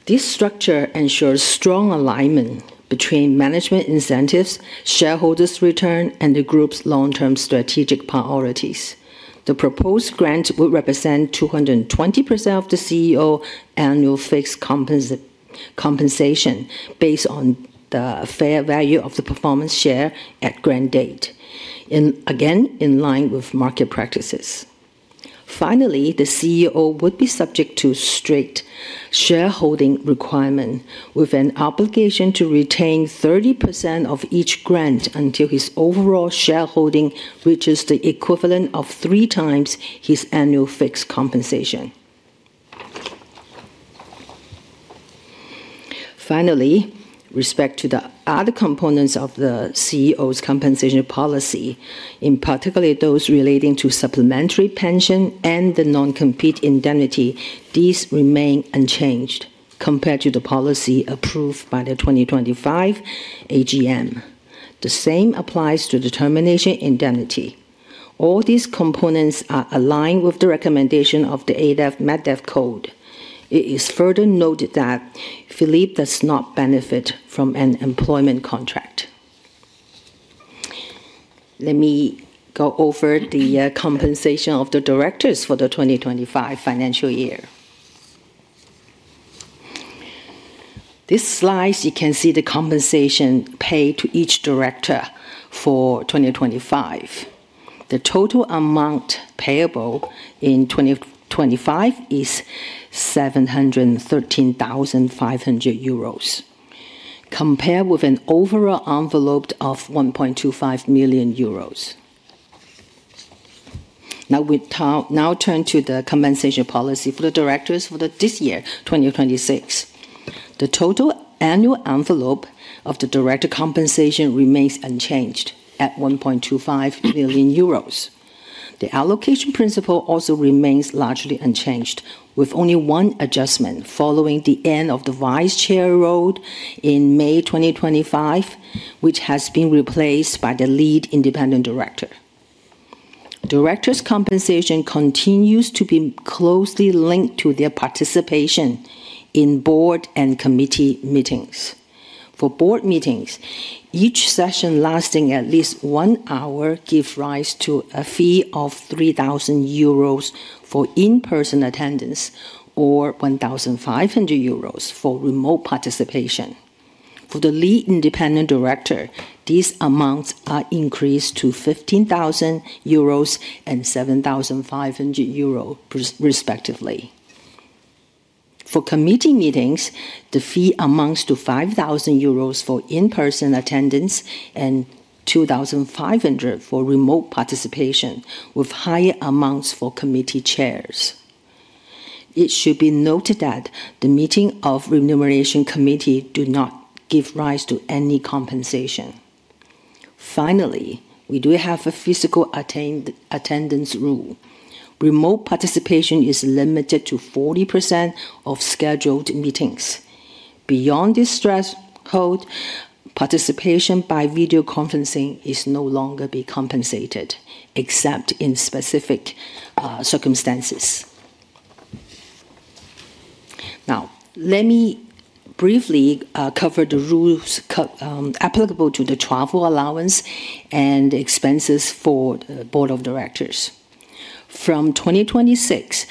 This structure ensures strong alignment between management incentives, shareholders' return, and the group's long-term strategic priorities. The proposed grant would represent 220% of the CEO annual fixed compensation based on the fair value of the performance share at grant date, and again, in line with market practices. Finally, the CEO would be subject to strict shareholding requirement with an obligation to retain 30% of each grant until his overall shareholding reaches the equivalent of three times his annual fixed compensation. Finally, respect to the other components of the CEO's compensation policy, in particular those relating to supplementary pension and the non-compete indemnity, these remain unchanged compared to the policy approved by the 2025 AGM. The same applies to the termination indemnity. All these components are aligned with the recommendation of the AFEP-MEDEF Code. It is further noted that Philippe does not benefit from an employment contract. Let me go over the compensation of the directors for the 2025 financial year. This slide, you can see the compensation paid to each director for 2025. The total amount payable in 2025 is 713,500 euros. Compare with an overall envelope of 1.25 million euros. We turn to the compensation policy for the directors for this year, 2026. The total annual envelope of the director compensation remains unchanged at 1.25 million euros. The allocation principle also remains largely unchanged, with only one adjustment following the end of the vice chair role in May 2025, which has been replaced by the lead independent director. Director's compensation continues to be closely linked to their participation in board and committee meetings. For board meetings, each session lasting at least one hour give rise to a fee of €3,000 for in-person attendance or €1,500 for remote participation. For the lead independent director, these amounts are increased to €15,000 and €7,500 respectively. For committee meetings, the fee amounts to €5,000 for in-person attendance and €2,500 for remote participation, with higher amounts for committee chairs. It should be noted that the meeting of Remuneration Committee do not give rise to any compensation. Finally, we do have a physical attendance rule. Remote participation is limited to 40% of scheduled meetings. Beyond this threshold, participation by video conferencing is no longer be compensated, except in specific circumstances. Now, let me briefly cover the rules applicable to the travel allowance and expenses for the board of directors. From 2026,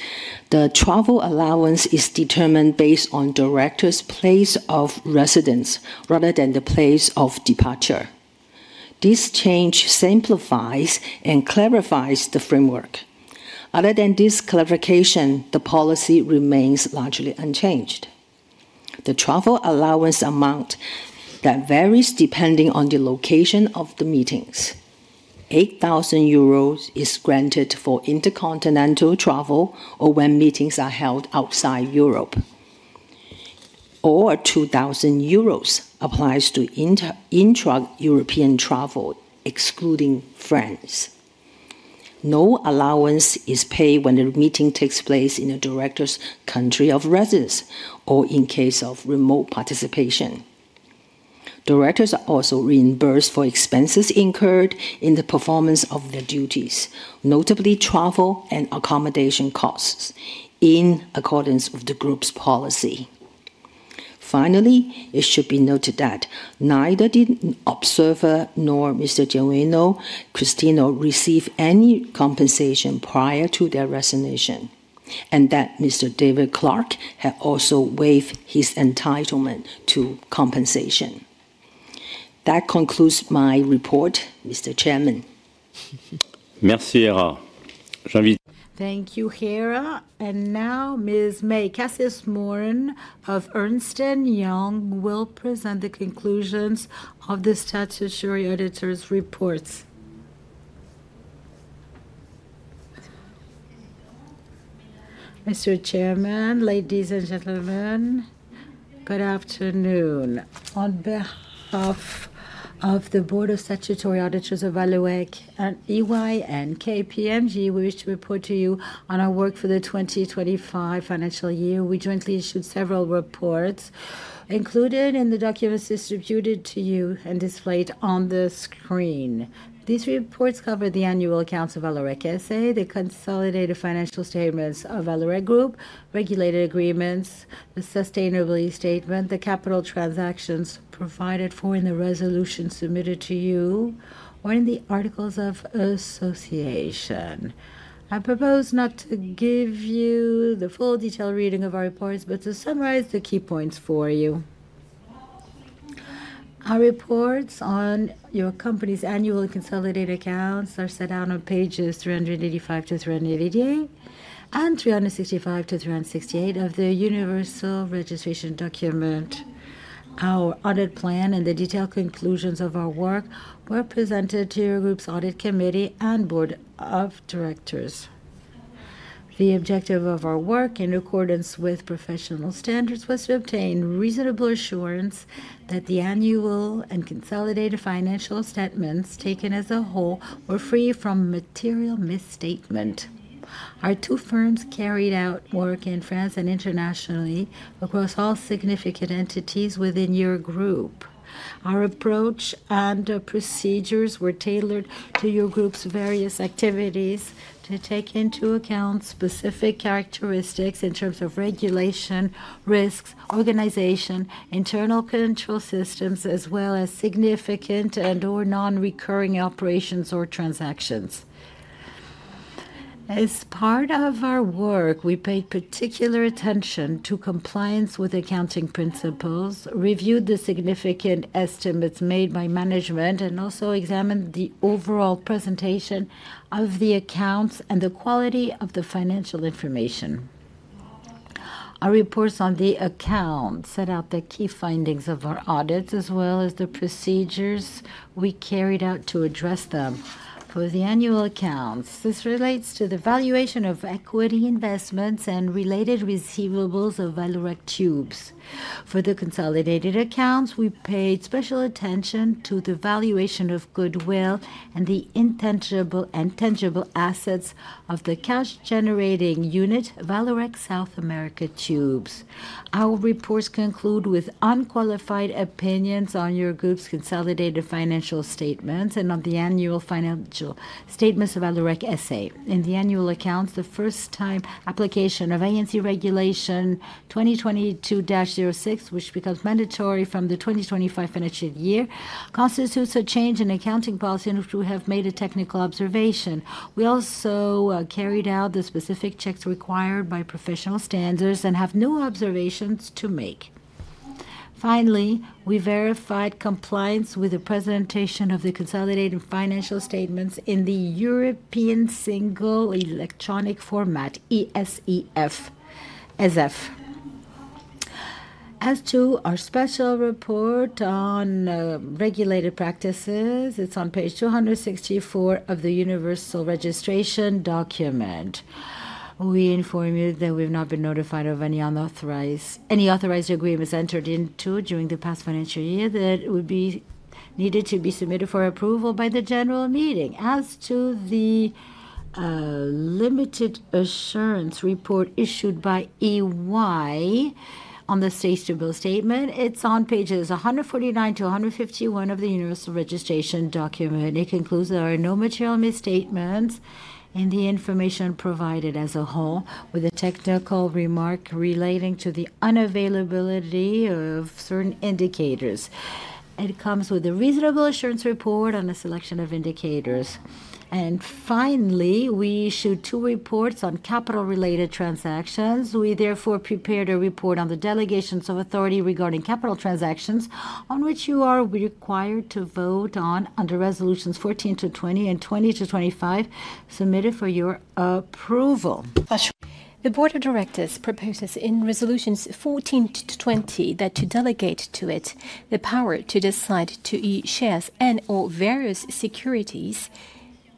the travel allowance is determined based on director's place of residence rather than the place of departure. This change simplifies and clarifies the framework. Other than this clarification, the policy remains largely unchanged. The travel allowance amount that varies depending on the location of the meetings. 8,000 euros is granted for intercontinental travel or when meetings are held outside Europe. 2,000 euros applies to intra-European travel, excluding France. No allowance is paid when the meeting takes place in a director's country of residence or in case of remote participation. Directors are also reimbursed for expenses incurred in the performance of their duties, notably travel and accommodation costs in accordance with the group's policy. Finally, it should be noted that neither the observer nor Mr. Genuino Christino received any compensation prior to their resignation. That Mr. David Clarke had also waived his entitlement to compensation. That concludes my report, Mr. Chairman. Thank you, Hera. Now Ms. May Kassis-Morin of Ernst & Young will present the conclusions of the statutory auditor's reports. Mr. Chairman, ladies and gentlemen, good afternoon. On behalf of the Board of Statutory Auditors of Vallourec and EY and KPMG, we wish to report to you on our work for the 2025 financial year. We jointly issued several reports included in the documents distributed to you and displayed on the screen. These reports cover the annual accounts of Vallourec SA, the consolidated financial statements of Vallourec Group, regulated agreements, the sustainability statement, the capital transactions provided for in the resolution submitted to you, or in the articles of association. I propose not to give you the full detailed reading of our reports, but to summarize the key points for you. Our reports on your company's annual consolidated accounts are set out on pages 385 to 388 and 365 to 368 of the universal registration document. Our audit plan and the detailed conclusions of our work were presented to your group's audit committee and board of directors. The objective of our work, in accordance with professional standards, was to obtain reasonable assurance that the annual and consolidated financial statements, taken as a whole, were free from material misstatement. Our two firms carried out work in France and internationally across all significant entities within your group. Our approach and procedures were tailored to your group's various activities to take into account specific characteristics in terms of regulation, risks, organization, internal control systems, as well as significant and/or non-recurring operations or transactions. As part of our work, we paid particular attention to compliance with accounting principles, reviewed the significant estimates made by management. Also examined the overall presentation of the accounts and the quality of the financial information. Our reports on the accounts set out the key findings of our audits, as well as the procedures we carried out to address them. For the annual accounts, this relates to the valuation of equity investments and related receivables of Vallourec Tubes. For the consolidated accounts, we paid special attention to the valuation of goodwill and the intangible assets of the cash-generating unit, Vallourec South America Tubes. Our reports conclude with unqualified opinions on your group's consolidated financial statements and on the annual financial statements of Vallourec SA. In the annual accounts, the first-time application of ANC Regulation 2022-06, which becomes mandatory from the 2025 financial year, constitutes a change in accounting policy, and of which we have made a technical observation. We also carried out the specific checks required by professional standards and have no observations to make. Finally, we verified compliance with the presentation of the consolidated financial statements in the European Single Electronic Format, ESEF. As to our special report on regulated practices, it's on page 264 of the universal registration document. We inform you that we've not been notified of any authorized agreements entered into during the past financial year that would be needed to be submitted for approval by the general meeting. As to the limited assurance report issued by EY on the sustainability statement, it's on pages 149-151 of the universal registration document. It concludes there are no material misstatements in the information provided as a whole, with a technical remark relating to the unavailability of certain indicators. It comes with a reasonable assurance report on a selection of indicators. Finally, we issued two reports on capital-related transactions. We therefore prepared a report on the delegations of authority regarding capital transactions on which you are required to vote on under resolutions 14 to 20 and 20 to 25 submitted for your approval. The board of directors proposes in resolutions 14 to 20 to delegate to it the power to decide to issue shares and/or various securities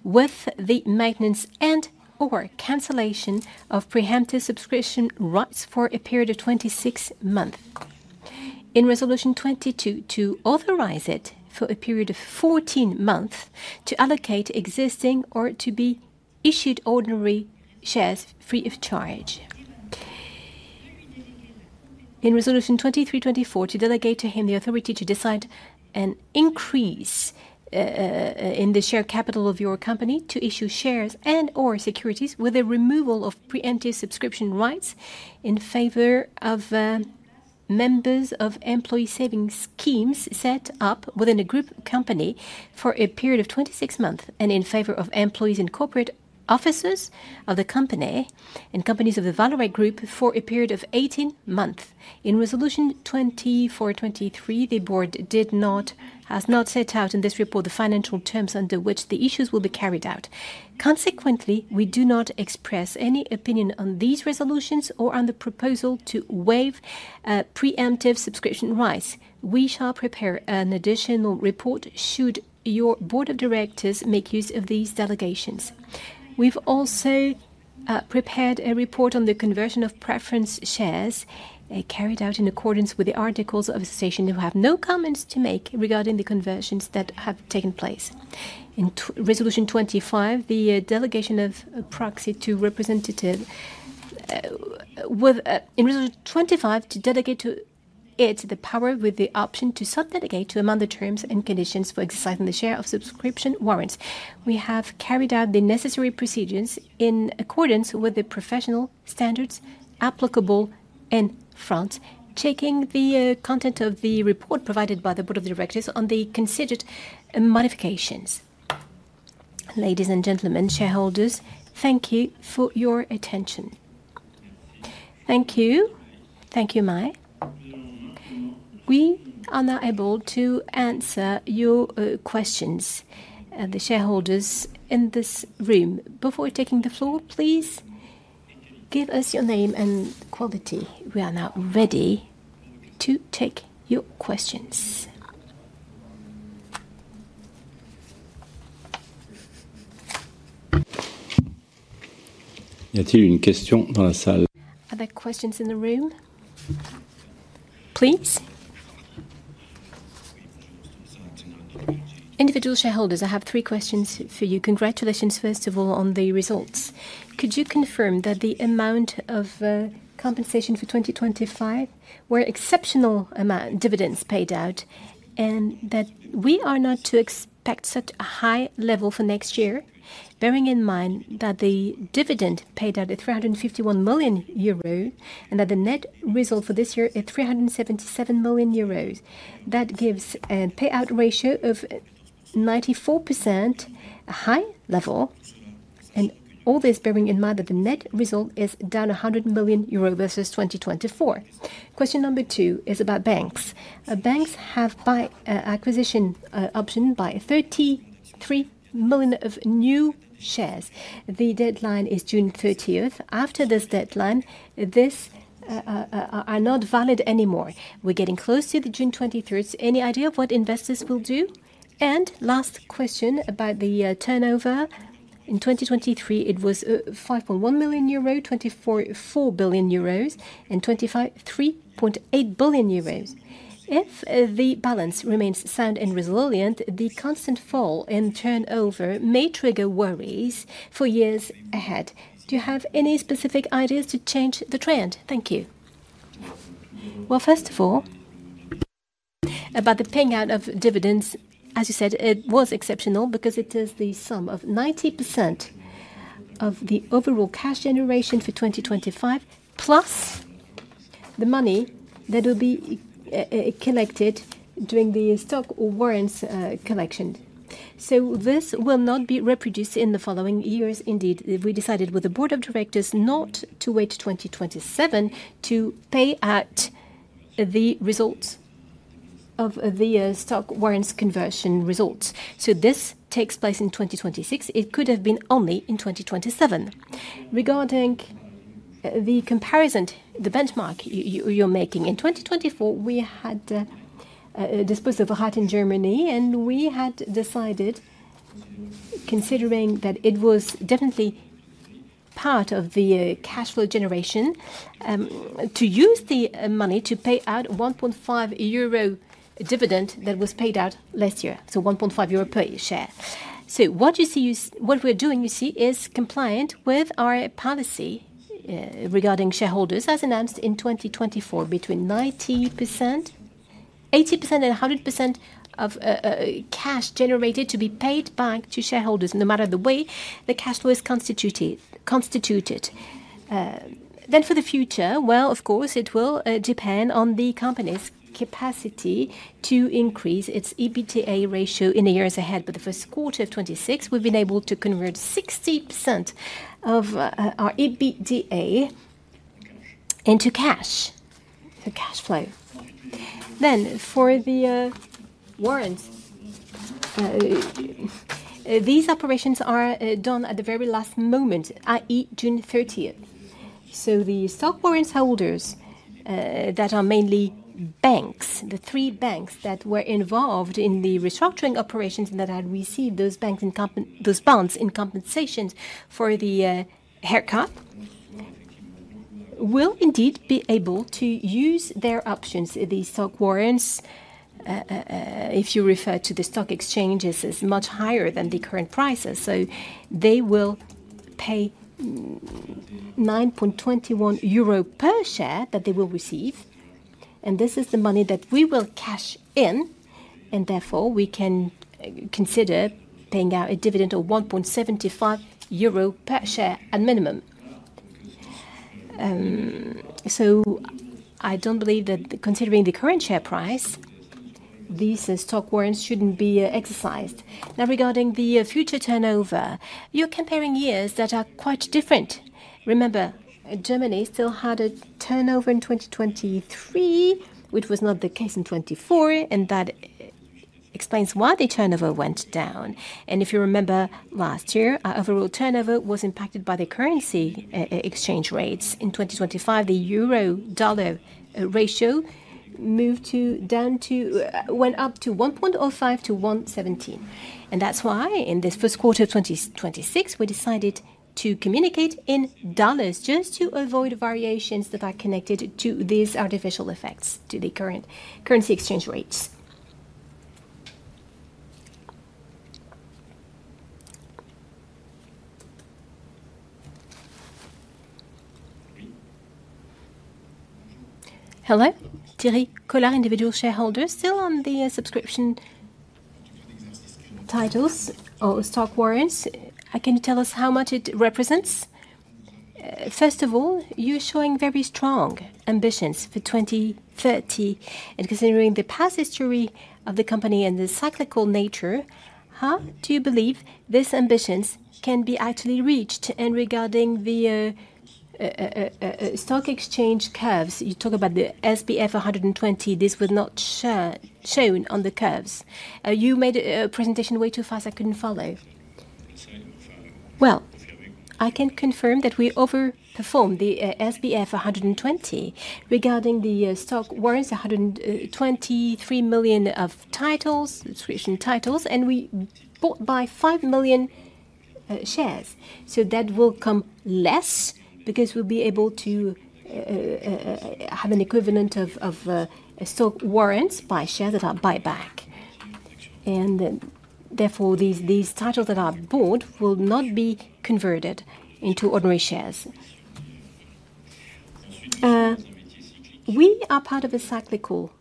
with the maintenance and/or cancellation of preemptive subscription rights for a period of 26 months. In Resolution 22, to authorize it for a period of 14 months to allocate existing or to be issued ordinary shares free of charge. In resolution 23-24, to delegate to him the authority to decide an increase in the share capital of your company to issue shares and/or securities with a removal of preemptive subscription rights in favor of members of employee savings schemes set up within a group company for a period of 26 months and in favor of employees and corporate officers of the company and companies of the Vallourec Group for a period of 18 months. In resolution 24-23, the board has not set out in this report the financial terms under which the issues will be carried out. Consequently, we do not express any opinion on these resolutions or on the proposal to waive preemptive subscription rights. We shall prepare an additional report should your board of directors make use of these delegations. We've also prepared a report on the conversion of preference shares carried out in accordance with the articles of association. We have no comments to make regarding the conversions that have taken place. In resolution 25, to delegate to it the power with the option to sub-delegate to amend the terms and conditions for exercising the share of subscription warrants. We have carried out the necessary procedures in accordance with the professional standards applicable in France, checking the content of the report provided by the board of directors on the considered modifications. Ladies and gentlemen, shareholders, thank you for your attention. Thank you. Thank you, May. We are now able to answer your questions, the shareholders in this room. Before taking the floor, please give us your name and quality. We are now ready to take your questions. Are there questions in the room? Please. Individual shareholders, I have three questions for you. Congratulations, first of all, on the results. Could you confirm that the amount of compensation for 2025 was exceptional amount dividends paid out, and that we are not to expect such a high level for next year? Bearing in mind that the dividend paid out was €351 million, and that the net result for this year, was €377 million. That gives a payout ratio of 94%, a high level. All this bearing in mind that the net result is down €100 million versus 2024. Question number two is about banks. Banks have acquisition option by 33 million of new shares. The deadline is June 30th. After this deadline, these are not valid anymore. We're getting close to the June 23rd. Any idea of what investors will do? Last question about the turnover. In 2023, it was 5.1 million euro, 24 billion euros in 2025, 3.8 billion euros. If the balance remains sound and resilient, the constant fall in turnover may trigger worries for years ahead. Do you have any specific ideas to change the trend? Thank you. Well, first of all, about the paying out of dividends, as you said, it was exceptional because it is the sum of 90% of the overall cash generation for 2025 plus the money that will be collected during the stock warrants collection. This will not be reproduced in the following years. We decided with the board of directors not to wait to 2027 to pay out the results of the stock warrants conversion results. This takes place in 2026. It could have been only in 2027. Regarding the comparison, the benchmark you're making. In 2024, we had disposed of a hub in Germany, and we had decided, considering that it was definitely part of the cash flow generation, to use the money to pay out 1.5 euro dividend that was paid out last year, so 1.5 euro per share. What we're doing, you see, is compliant with our policy regarding shareholders, as announced in 2024, between 80% and 100% of cash generated to be paid back to shareholders, no matter the way the cash flow is constituted. For the future, well, of course, it will depend on the company's capacity to increase its EBITDA ratio in the years ahead. The first quarter of 2026, we've been able to convert 60% of our EBITDA into cash flow. For the warrants. These operations are done at the very last moment, i.e. June 30th. The stock warrants holders that are mainly banks, the three banks that were involved in the restructuring operations that had received those bonds in compensations for the haircut, will indeed be able to use their options. The stock warrants, if you refer to the stock exchanges, is much higher than the current prices. They will pay €9.21 per share that they will receive, and this is the money that we will cash in. Therefore, we can consider paying out a dividend of €1.75 per share at minimum. I don't believe that considering the current share price, these stock warrants shouldn't be exercised. Now, regarding the future turnover, you're comparing years that are quite different. Remember, Germany still had a turnover in 2023, which was not the case in 2024, that explains why the turnover went down. If you remember last year, our overall turnover was impacted by the currency exchange rates. In 2025, the euro-dollar ratio went up to 1.05-1.17. That's why, in this first quarter of 2026, we decided to communicate in $ just to avoid variations that are connected to these artificial effects to the current currency exchange rates. Hello. Thierry Collar, individual shareholder. Still on the subscription titles or stock warrants, can you tell us how much it represents? First of all, you're showing very strong ambitions for 2030. Considering the past history of the company and the cyclical nature, how do you believe these ambitions can be actually reached? Regarding the stock exchange curves, you talk about the SBF 120. This was not shown on the curves. You made a presentation way too fast, I couldn't follow. Well, I can confirm that we overperformed the SBF 120. Regarding the stock warrants, 123 million of subscription titles, and we bought by 5 million shares. That will come less because we'll be able to have an equivalent of stock warrants by shares that are bought back. Therefore, these titles that are bought will not be converted into ordinary shares. We are part of a cyclical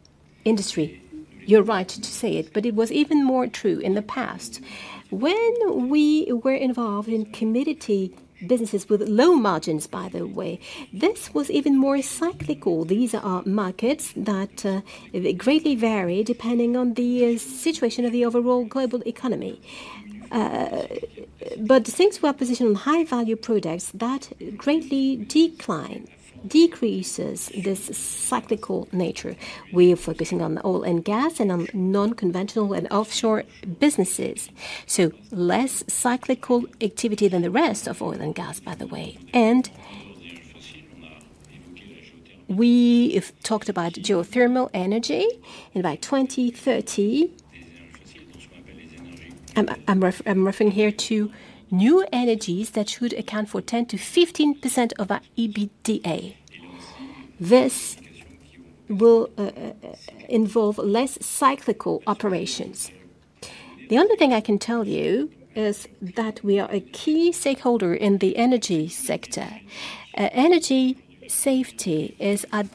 industry. You're right to say it, but it was even more true in the past. When we were involved in commodity businesses with low margins, by the way, this was even more cyclical. These are markets that greatly vary depending on the situation of the overall global economy. Since we are positioned on high-value products, that greatly decreases this cyclical nature. We are focusing on oil and gas and on non-conventional and offshore businesses. Less cyclical activity than the rest of oil and gas, by the way. We talked about geothermal energy. By 2030, I'm referring here to new energies that should account for 10%-15% of our EBITDA. This will involve less cyclical operations. The only thing I can tell you is that we are a key stakeholder in the energy sector. Energy safety is at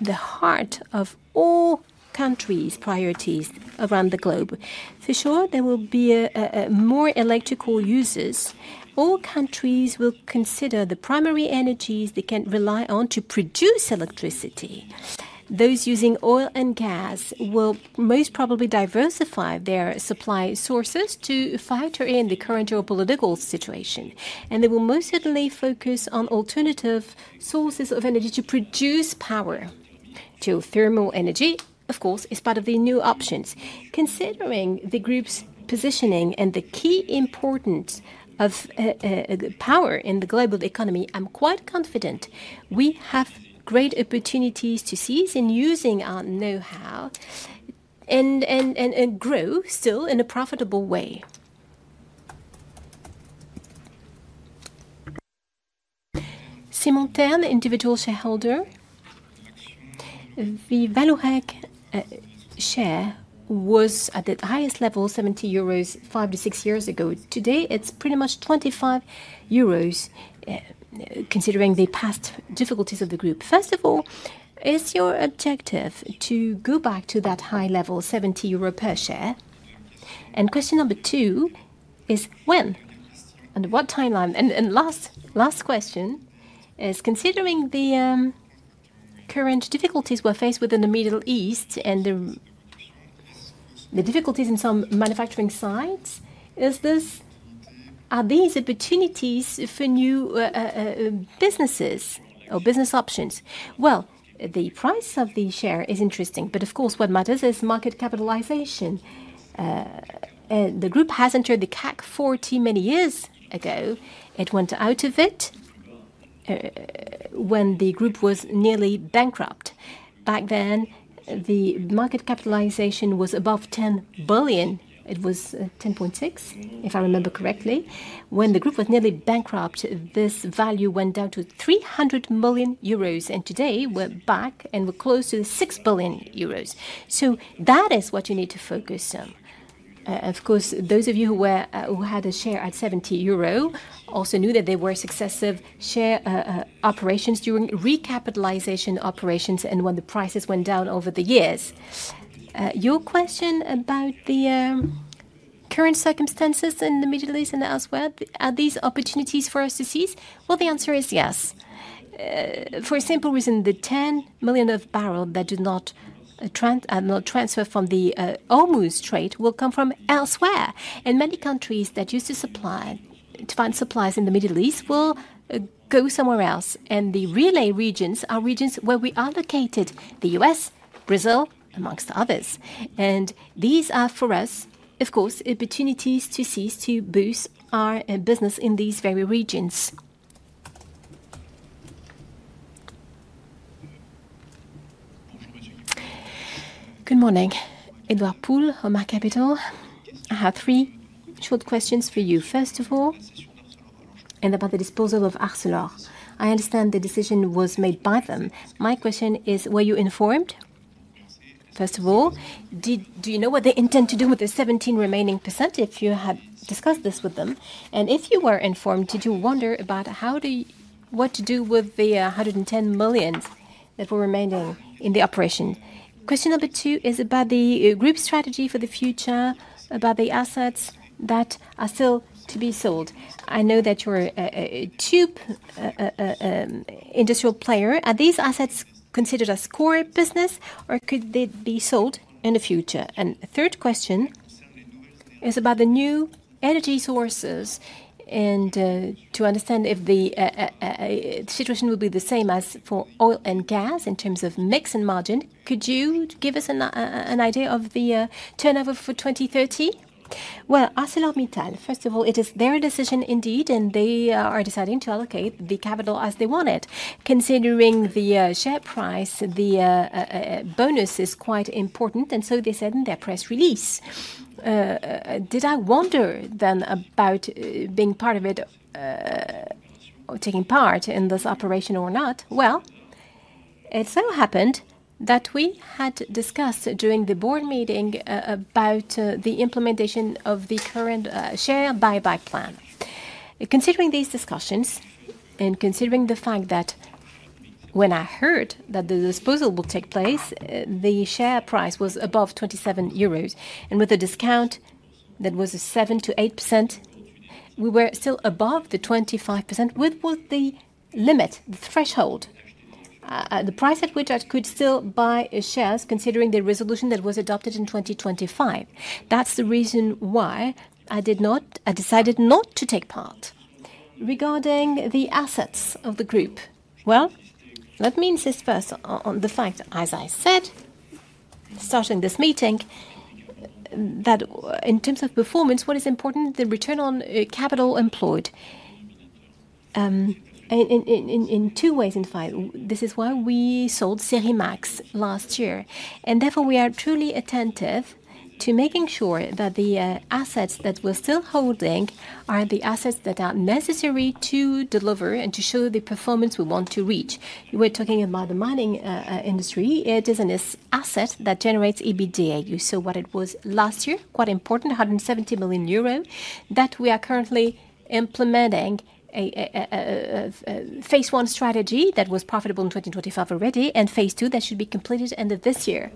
the heart of all countries' priorities around the globe. For sure, there will be more electrical users. All countries will consider the primary energies they can rely on to produce electricity. Those using oil and gas will most probably diversify their supply sources to factor in the current geopolitical situation, and they will most certainly focus on alternative sources of energy to produce power. Geothermal energy, of course, is part of the new options. Considering the group's positioning and the key importance of power in the global economy, I'm quite confident we have great opportunities to seize in using our knowhow and grow still in a profitable way. Simon Tern, individual shareholder. The Vallourec share was at the highest level, 70 euros, five to six years ago. Today, it's pretty much 25 euros, considering the past difficulties of the group. First of all, is it your objective to go back to that high level, 70 euro per share? Question number two is when? Under what timeline? Last question is, considering the current difficulties we're faced with in the Middle East and the difficulties in some manufacturing sites, are these opportunities for new businesses or business options? The price of the share is interesting, but of course, what matters is market capitalization. The group has entered the CAC 40 many years ago. It went out of it when the group was nearly bankrupt. Back then, the market capitalization was above 10 billion. It was 10.6 billion, if I remember correctly. When the group was nearly bankrupt, this value went down to 300 million euros. Today, we're back, and we're close to 6 billion euros. That is what you need to focus on. Of course, those of you who had a share at 70 euro also knew that there were successive share operations during recapitalization operations and when the prices went down over the years. Your question about the current circumstances in the Middle East and elsewhere, are these opportunities for us to seize? The answer is yes. For a simple reason, the 10 million of barrel that did not transfer from the Hormuz Strait will come from elsewhere. Many countries that used to find supplies in the Middle East will go somewhere else. The relay regions are regions where we are located, the U.S., Brazil, amongst others. These are, for us, of course, opportunities to seize to boost our business in these very regions. Thank you, Monsieur. Good morning. Edouard Pool, Omar Capital. I have three short questions for you. First of all, and about the disposal of Arcelor. I understand the decision was made by them. My question is, were you informed, first of all? Do you know what they intend to do with the 17% remaining, if you have discussed this with them? If you were informed, did you wonder about what to do with the 110 million that were remaining in the operation? Question number two is about the group strategy for the future, about the assets that are still to be sold. I know that you're a tube industrial player. Are these assets considered as core business, or could they be sold in the future? 3rd question is about the new energy sources and to understand if the situation will be the same as for oil and gas in terms of mix and margin. Could you give us an idea of the turnover for 2030? Well, ArcelorMittal, first of all, it is their decision indeed, and they are deciding to allocate the capital as they want it. Considering the share price, the bonus is quite important, and so they said in their press release. Did I wonder then about being part of it, or taking part in this operation or not? Well, it so happened that we had discussed during the board meeting about the implementation of the current share buyback plan. Considering these discussions, and considering the fact that when I heard that the disposal will take place, the share price was above €27. With a discount that was 7%-8%, we were still above the 25%, which was the limit, the threshold. The price at which I could still buy shares, considering the resolution that was adopted in 2025. That's the reason why I decided not to take part. Regarding the assets of the group. Well, let me insist first on the fact, as I said, starting this meeting, that in terms of performance, what is important, the return on capital employed. In two ways, in fact. This is why we sold Serimax last year. Therefore, we are truly attentive to making sure that the assets that we're still holding are the assets that are necessary to deliver and to show the performance we want to reach. We're talking about the mining industry. It is an asset that generates EBITDA. You saw what it was last year, quite important, 170 million euro, that we are currently implementing a phase I strategy that was profitable in 2025 already, and phase II that should be completed end of this year.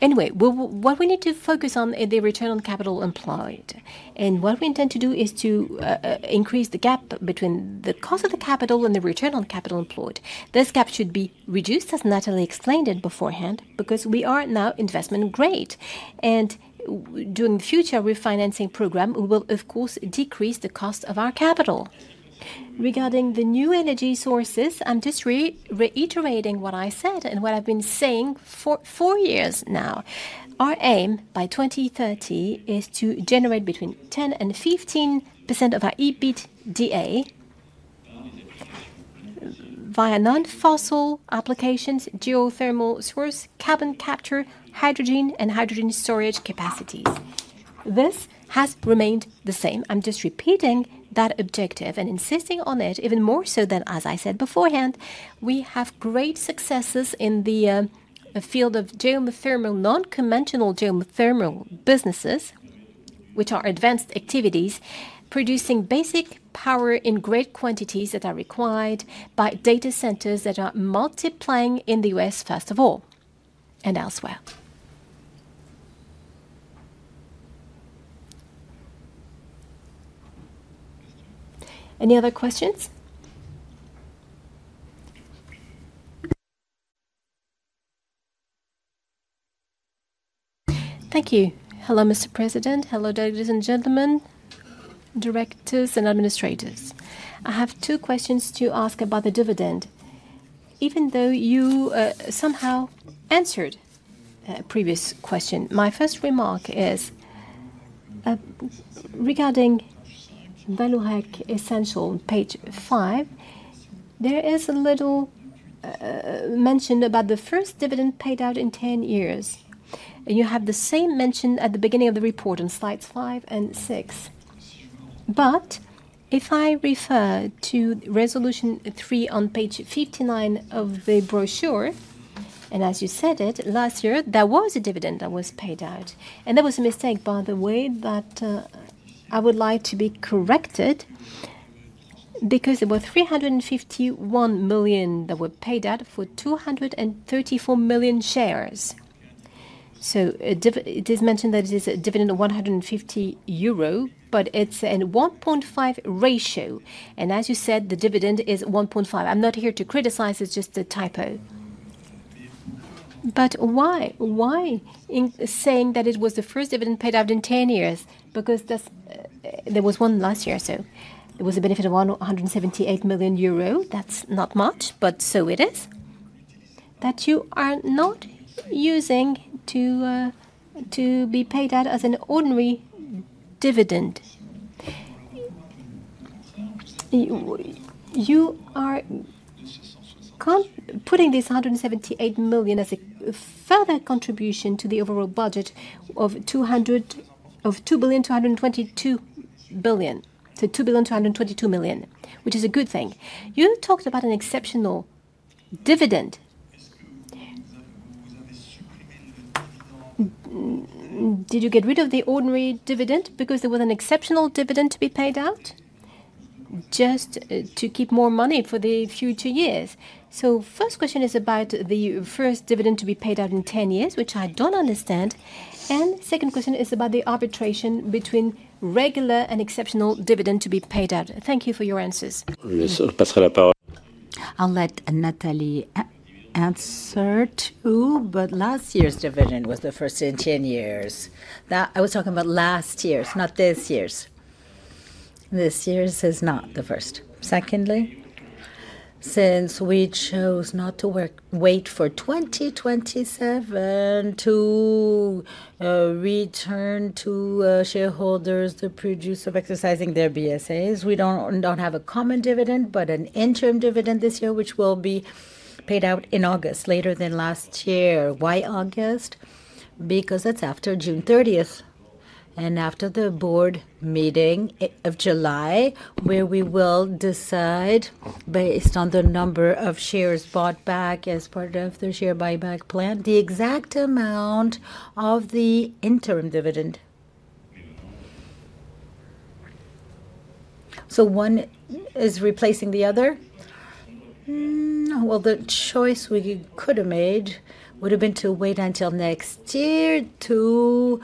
Anyway, what we need to focus on is the return on capital employed. What we intend to do is to increase the gap between the cost of the capital and the return on capital employed. This gap should be reduced, as Nathalie explained it beforehand, because we are now investment grade. During future refinancing program, we will, of course, decrease the cost of our capital. Regarding the new energy sources, I'm just reiterating what I said and what I've been saying for four years now. Our aim by 2030 is to generate between 10%-15% of our EBITDA via non-fossil applications, geothermal source, carbon capture, hydrogen, and hydrogen storage capacities. This has remained the same. I'm just repeating that objective and insisting on it even more so than as I said beforehand. We have great successes in the field of geothermal, non-conventional geothermal businesses, which are advanced activities, producing basic power in great quantities that are required by data centers that are multiplying in the U.S., first of all, and elsewhere. Any other questions? Thank you. Hello, Mr. President. Hello, ladies and gentlemen, directors and administrators. I have two questions to ask about the dividend. Even though you somehow answered a previous question, my first remark is regarding Vallourec Essentiel, page five. There is a little mention about the first dividend paid out in 10 years. You have the same mention at the beginning of the report on slides five and six. If I refer to Resolution 3 on page 59 of the brochure, and as you said it, last year, there was a dividend that was paid out. There was a mistake, by the way, that I would like to be corrected, because it was 351 million that were paid out for 234 million shares. It is mentioned that it is a dividend of 1.5 euro, but it is in 1.5 ratio. As you said, the dividend is 1.5. I am not here to criticize, it is just a typo. Why saying that it was the first dividend paid out in 10 years? There was one last year, so it was a benefit of 178 million euro. That is not much, but so it is. That you are not using to be paid out as an ordinary dividend. You are putting this 178 million as a further contribution to the overall budget of 2 billion, 222 million. 2 billion, 222 million, which is a good thing. You talked about an exceptional dividend. Did you get rid of the ordinary dividend because there was an exceptional dividend to be paid out just to keep more money for the future years? First question is about the first dividend to be paid out in 10 years, which I don't understand. Second question is about the arbitration between regular and exceptional dividend to be paid out. Thank you for your answers. I'll let Nathalie answer too, but last year's dividend was the first in 10 years. I was talking about last year's, not this year's. This year's is not the first. Secondly, since we chose not to wait for 2027 to return to shareholders the produce of exercising their BSAs, we don't have a common dividend, but an interim dividend this year, which will be paid out in August, later than last year. Why August? Because that's after June 30th and after the board meeting of July, where we will decide, based on the number of shares bought back as part of the share buyback plan, the exact amount of the interim dividend. One is replacing the other. Well, the choice we could have made would have been to wait until next year to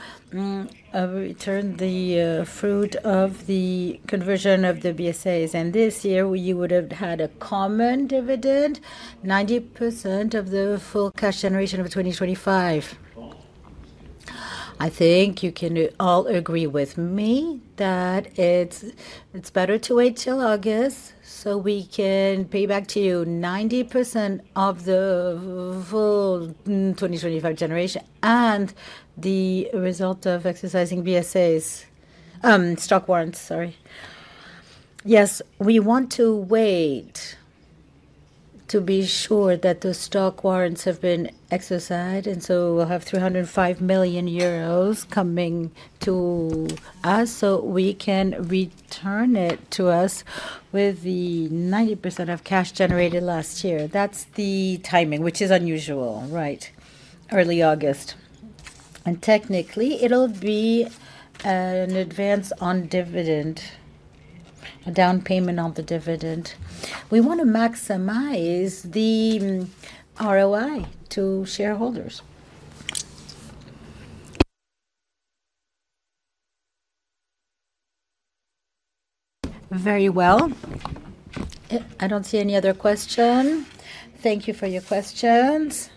return the fruit of the conversion of the BSAs. This year, you would have had a common dividend, 90% of the full cash generation of 2025. I think you can all agree with me that it's better to wait till August so we can pay back to you 90% of the full 2025 generation and the result of exercising BSAs. Stock warrants, sorry. We want to wait to be sure that the stock warrants have been exercised, and so we'll have 305 million euros coming to us, so we can return it to us with the 90% of cash generated last year. That's the timing, which is unusual. Early August. Technically, it'll be an advance on dividend, a down payment on the dividend. We want to maximize the ROI to shareholders. Very well. I don't see any other question. Thank you for your questions.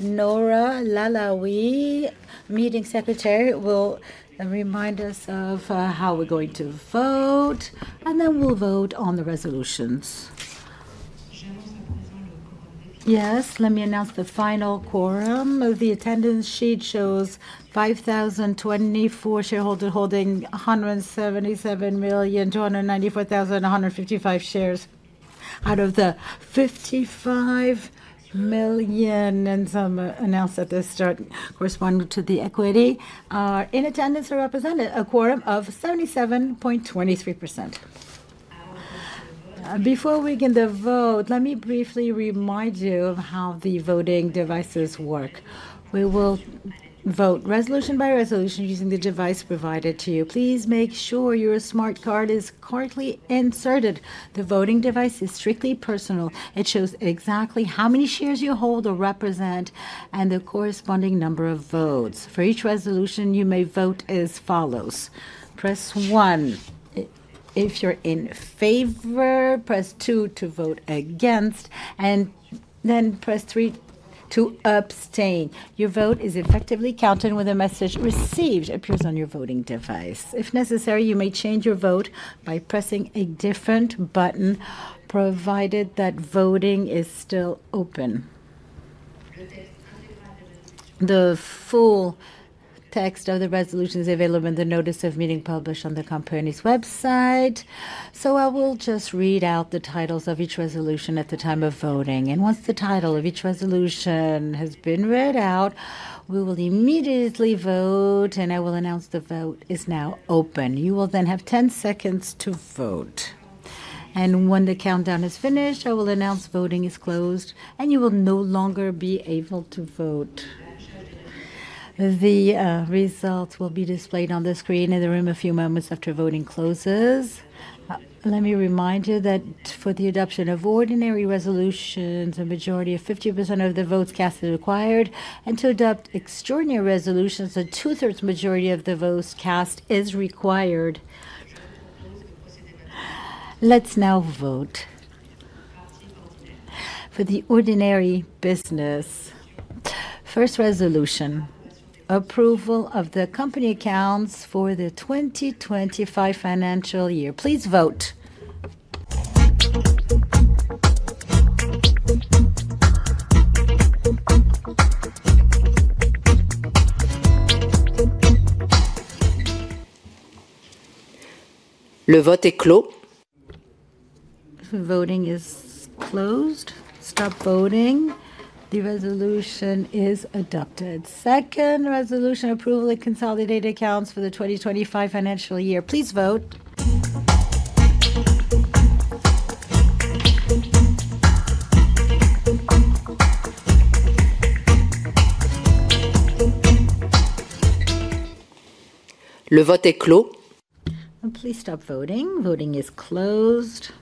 Now, Norah Lalaoui, Meeting Secretary, will remind us of how we're going to vote, then we'll vote on the resolutions. Yes. Let me announce the final quorum. The attendance sheet shows 5,024 shareholders holding 177,294,155 shares out of the 55 million and some announced at the start corresponding to the equity are in attendance or represented, a quorum of 77.23%. Before we begin the vote, let me briefly remind you of how the voting devices work. We will vote resolution by resolution using the device provided to you. Please make sure your smart card is correctly inserted. The voting device is strictly personal. It shows exactly how many shares you hold or represent and the corresponding number of votes. For each resolution, you may vote as follows. Press one if you're in favor, press two to vote against, then press three to abstain. Your vote is effectively counted when the message "Received" appears on your voting device. If necessary, you may change your vote by pressing a different button, provided that voting is still open. The full text of the resolution is available in the notice of meeting published on the company's website. I will just read out the titles of each resolution at the time of voting. Once the title of each resolution has been read out, we will immediately vote, and I will announce the vote is now open. You will then have 10 seconds to vote. When the countdown is finished, I will announce voting is closed, and you will no longer be able to vote. The results will be displayed on the screen in the room a few moments after voting closes. Let me remind you that for the adoption of ordinary resolutions, a majority of 50% of the votes cast is required, and to adopt extraordinary resolutions, a 2/3 majority of the votes cast is required. Let's now vote. For the ordinary business, first resolution: approval of the company accounts for the 2025 financial year. Please vote. Voting is closed. Stop voting. The resolution is adopted. Second resolution: approval of the consolidated accounts for the 2025 financial year. Please vote. Please stop voting. Voting is closed.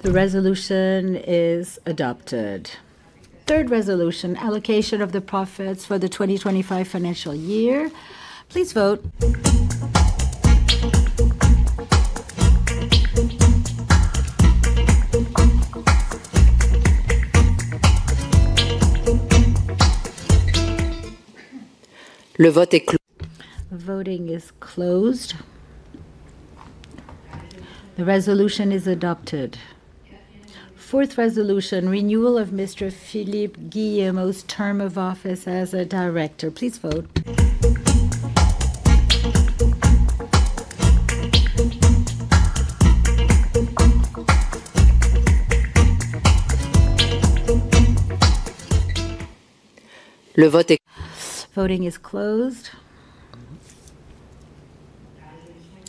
The resolution is adopted. Third resolution: allocation of the profits for the 2025 financial year. Please vote. Voting is closed. The resolution is adopted. Fourth resolution: renewal of Mr. Philippe Guillemot's term of office as a director. Please vote. Voting is closed.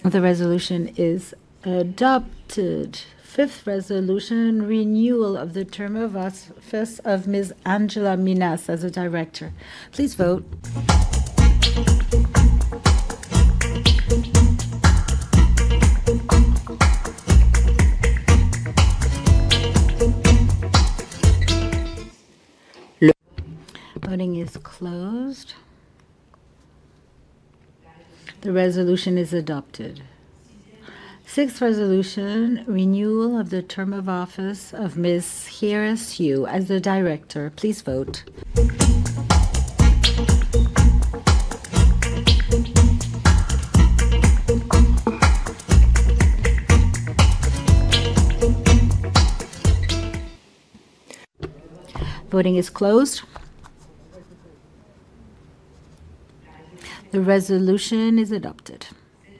The resolution is adopted. Fifth resolution: renewal of the term of office of Ms. Angela Minas as a director. Please vote. Voting is closed. The resolution is adopted. Sixth resolution: renewal of the term of office of Ms. Hera Siu as a director. Please vote. Voting is closed. The resolution is adopted.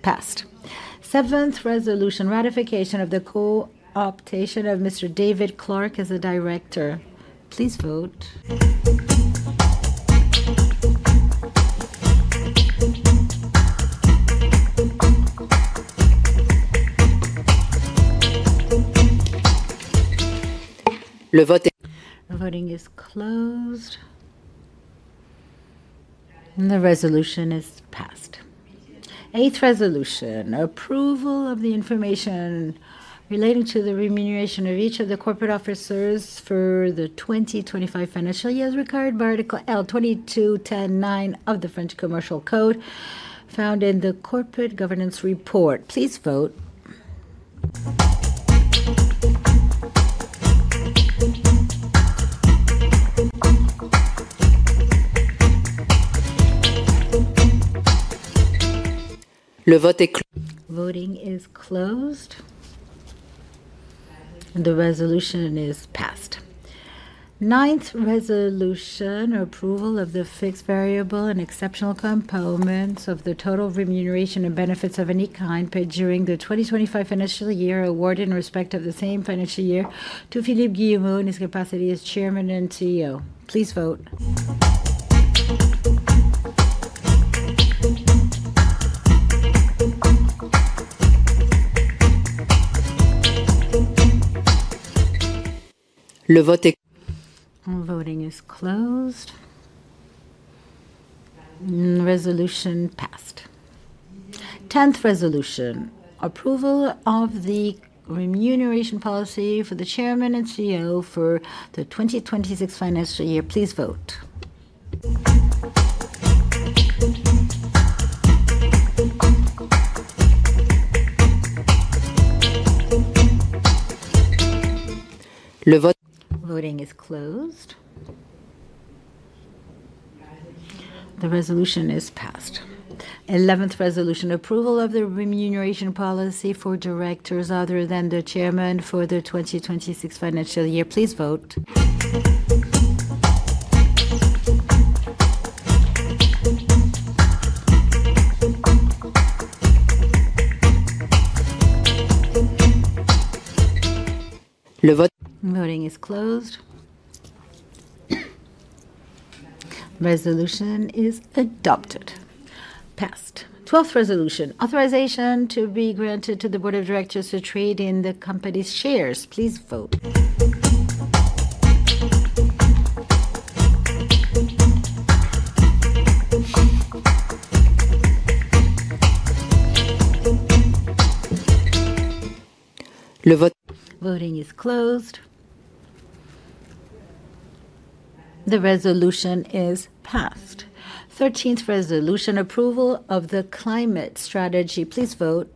Passed. Seventh resolution: ratification of the co-optation of Mr. David Clarke as a director. Please vote. The voting is closed, and the resolution is passed. Eighth resolution: approval of the information relating to the remuneration of each of the corporate officers for the 2025 financial year as required by Article L. 22-10-9 of the French Commercial Code found in the corporate governance report. Please vote. Voting is closed, and the resolution is passed. Ninth resolution: approval of the fixed variable and exceptional components of the total remuneration and benefits of any kind paid during the 2025 financial year, award in respect of the same financial year to Philippe Guillemot in his capacity as Chairman and CEO. Please vote. Voting is closed. Resolution passed. 10th resolution: approval of the remuneration policy for the Chairman and CEO for the 2026 financial year. Please vote. Voting is closed. The resolution is passed. 11th resolution: approval of the remuneration policy for Directors other than the Chairman for the 2026 financial year. Please vote. Voting is closed. Resolution is adopted, passed. 12th resolution: authorization to be granted to the Board of Directors to trade in the company's shares. Please vote. Voting is closed. The resolution is passed. 13th resolution: approval of the climate strategy. Please vote.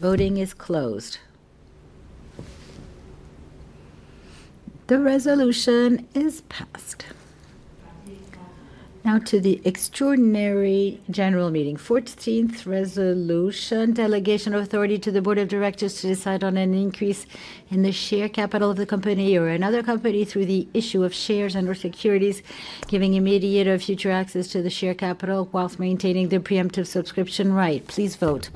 Voting is closed. The resolution is passed. To the extraordinary general meeting. 14th resolution: delegation of authority to the board of directors to decide on an increase in the share capital of the company or another company through the issue of shares and/or securities, giving immediate or future access to the share capital while maintaining the preemptive subscription right. Please vote.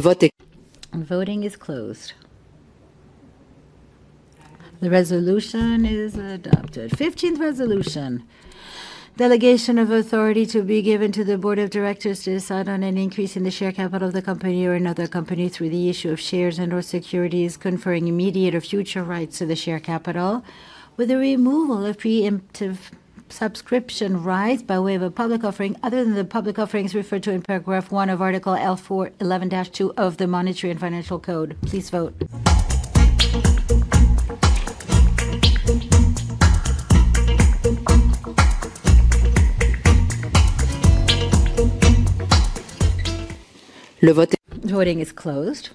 Voting is closed. The resolution is adopted. 15th resolution: delegation of authority to be given to the board of directors to decide on an increase in the share capital of the company or another company through the issue of shares and/or securities conferring immediate or future rights to the share capital. With the removal of preemptive subscription rights by way of a public offering other than the public offerings referred to in paragraph one of Article L. 411-2 of the Monetary and Financial Code. Please vote. Voting is closed.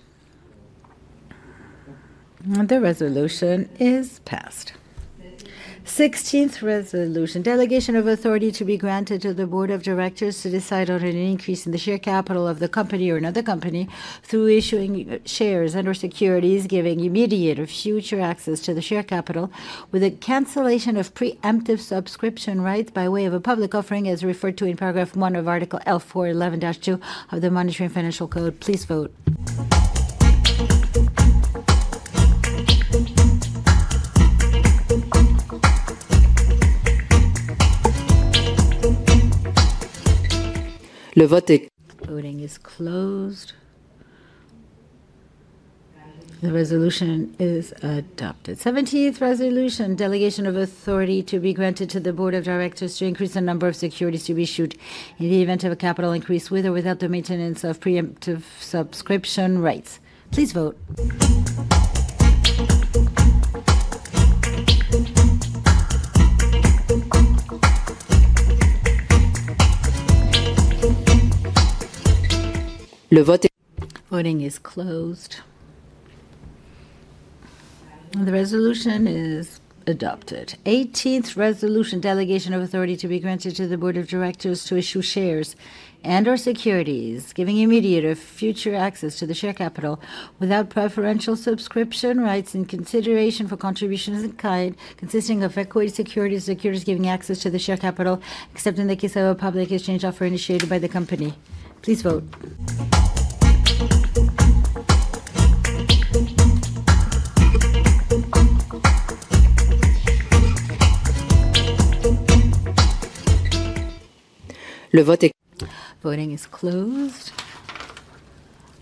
The resolution is passed. 16th resolution: delegation of authority to be granted to the board of directors to decide on an increase in the share capital of the company or another company through issuing shares and/or securities giving immediate or future access to the share capital, with a cancellation of preemptive subscription rights by way of a public offering as referred to in paragraph 1 of Article L. 411-2 of the Monetary and Financial Code. Please vote. Voting is closed. The resolution is adopted. 17th resolution: delegation of authority to be granted to the board of directors to increase the number of securities to be issued in the event of a capital increase, with or without the maintenance of preemptive subscription rights. Please vote. Voting is closed. The resolution is adopted. 18th resolution: delegation of authority to be granted to the Board of Directors to issue shares and/or securities giving immediate or future access to the share capital without preferential subscription rights in consideration for contributions in kind consisting of equity securities giving access to the share capital, except in the case of a public exchange offer initiated by the company. Please vote. Voting is closed.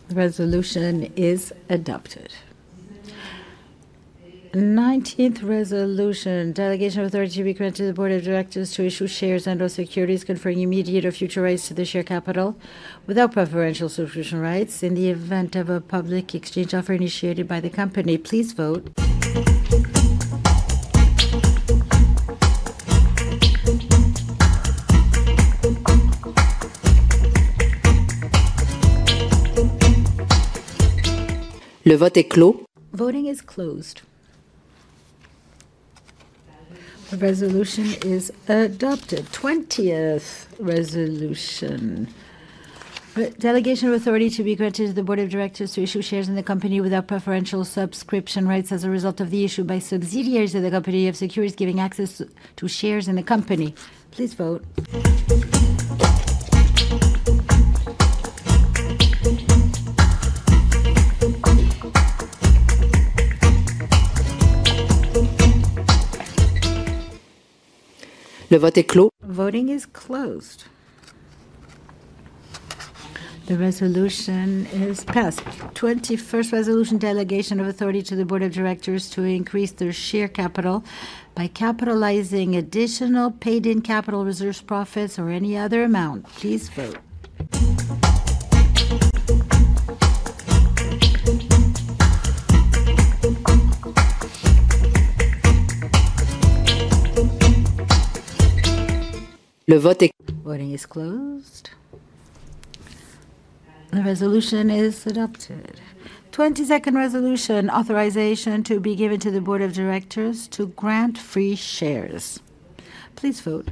The resolution is adopted. 19th resolution: delegation of authority to be granted to the Board of Directors to issue shares and/or securities conferring immediate or future rights to the share capital without preferential subscription rights in the event of a public exchange offer initiated by the company. Please vote. Voting is closed. The resolution is adopted. 20th resolution: delegation of authority to be granted to the Board of Directors to issue shares in the company without preferential subscription rights as a result of the issue by subsidiaries of the company of securities giving access to shares in the company. Please vote. Voting is closed. The resolution is passed. 21st resolution: delegation of authority to the Board of Directors to increase their share capital by capitalizing additional paid-in capital, reserves, profits, or any other amount. Please vote. Voting is closed. The resolution is adopted. 22nd resolution, authorization to be given to the board of directors to grant free shares. Please vote.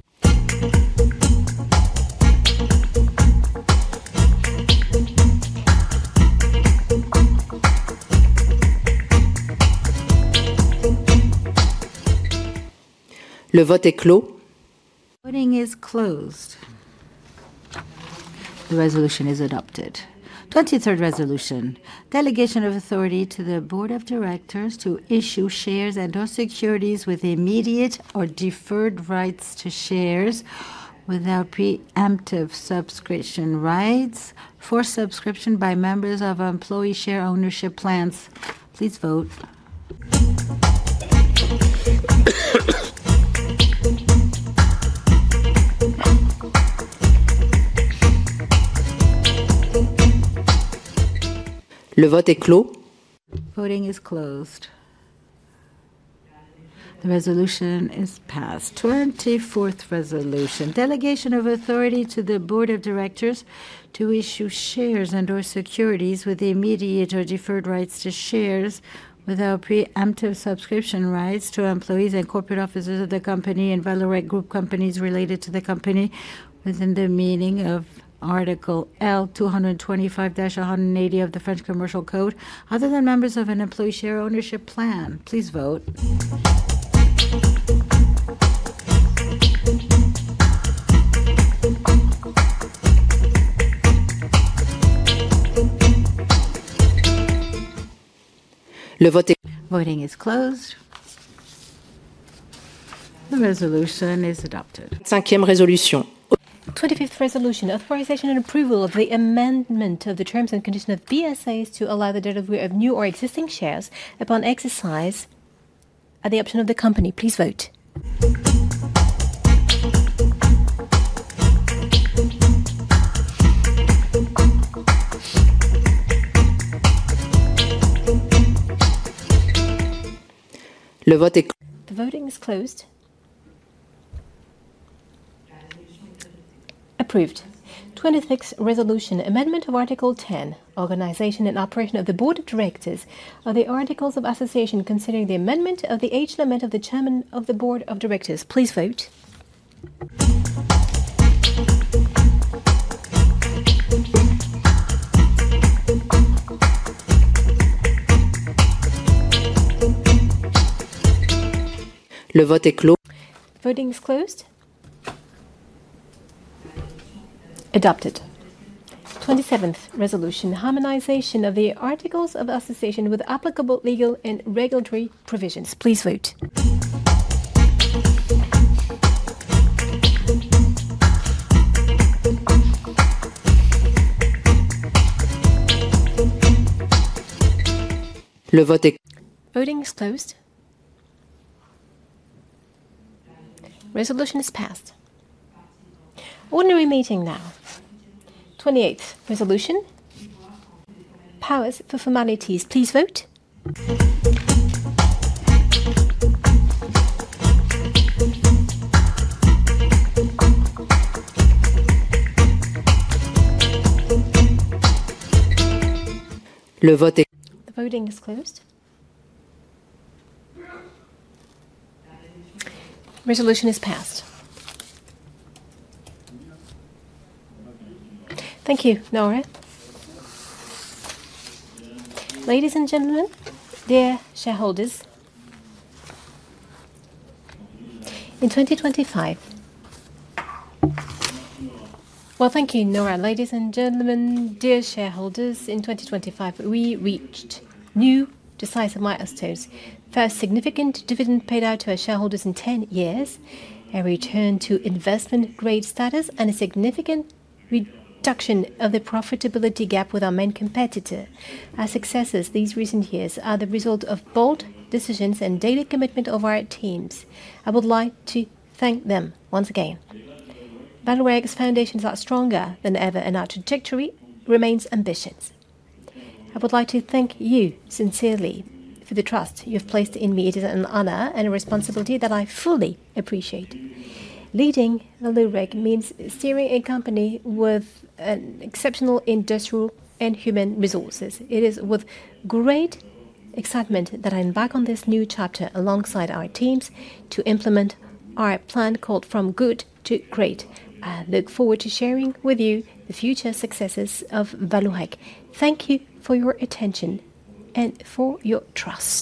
Voting is closed. The resolution is adopted. 23rd resolution, delegation of authority to the board of directors to issue shares and/or securities with immediate or deferred rights to shares without preemptive subscription rights for subscription by members of employee share ownership plans. Please vote. Voting is closed. The resolution is passed. 24th resolution, delegation of authority to the board of directors to issue shares and/or securities with immediate or deferred rights to shares without preemptive subscription rights to employees and corporate officers of the company and Vallourec group companies related to the company within the meaning of Article L. 225-180 of the French Commercial Code other than members of an employee share ownership plan. Please vote. Voting is closed. The resolution is adopted. 25th resolution, authorization and approval of the amendment of the terms and conditions of BSAs to allow the delivery of new or existing shares upon exercise at the option of the company. Please vote. The voting is closed. Approved. 26th resolution, amendment of Article 10, organization and operation of the board of directors of the articles of association concerning the amendment of the age limit of the chairman of the board of directors. Please vote. Voting is closed. Adopted. 27th resolution, harmonization of the articles of association with applicable legal and regulatory provisions. Please vote. Voting is closed. Resolution is passed. Ordinary meeting now. 28th resolution, powers for formalities. Please vote. The voting is closed. Resolution is passed. Thank you, Norah. Ladies and gentlemen, dear shareholders, in 2025, we reached new decisive milestones. First significant dividend paid out to our shareholders in 10 years, a return to investment-grade status, and a significant reduction of the profitability gap with our main competitor. Our successes these recent years are the result of bold decisions and daily commitment of our teams. I would like to thank them once again. Vallourec's foundations are stronger than ever, and our trajectory remains ambitious. I would like to thank you sincerely for the trust you have placed in me. It is an honor and a responsibility that I fully appreciate. Leading Vallourec means steering a company with exceptional industrial and human resources. It is with great excitement that I embark on this new chapter alongside our teams to implement our plan called From Good to Great. I look forward to sharing with you the future successes of Vallourec. Thank you for your attention and for your trust.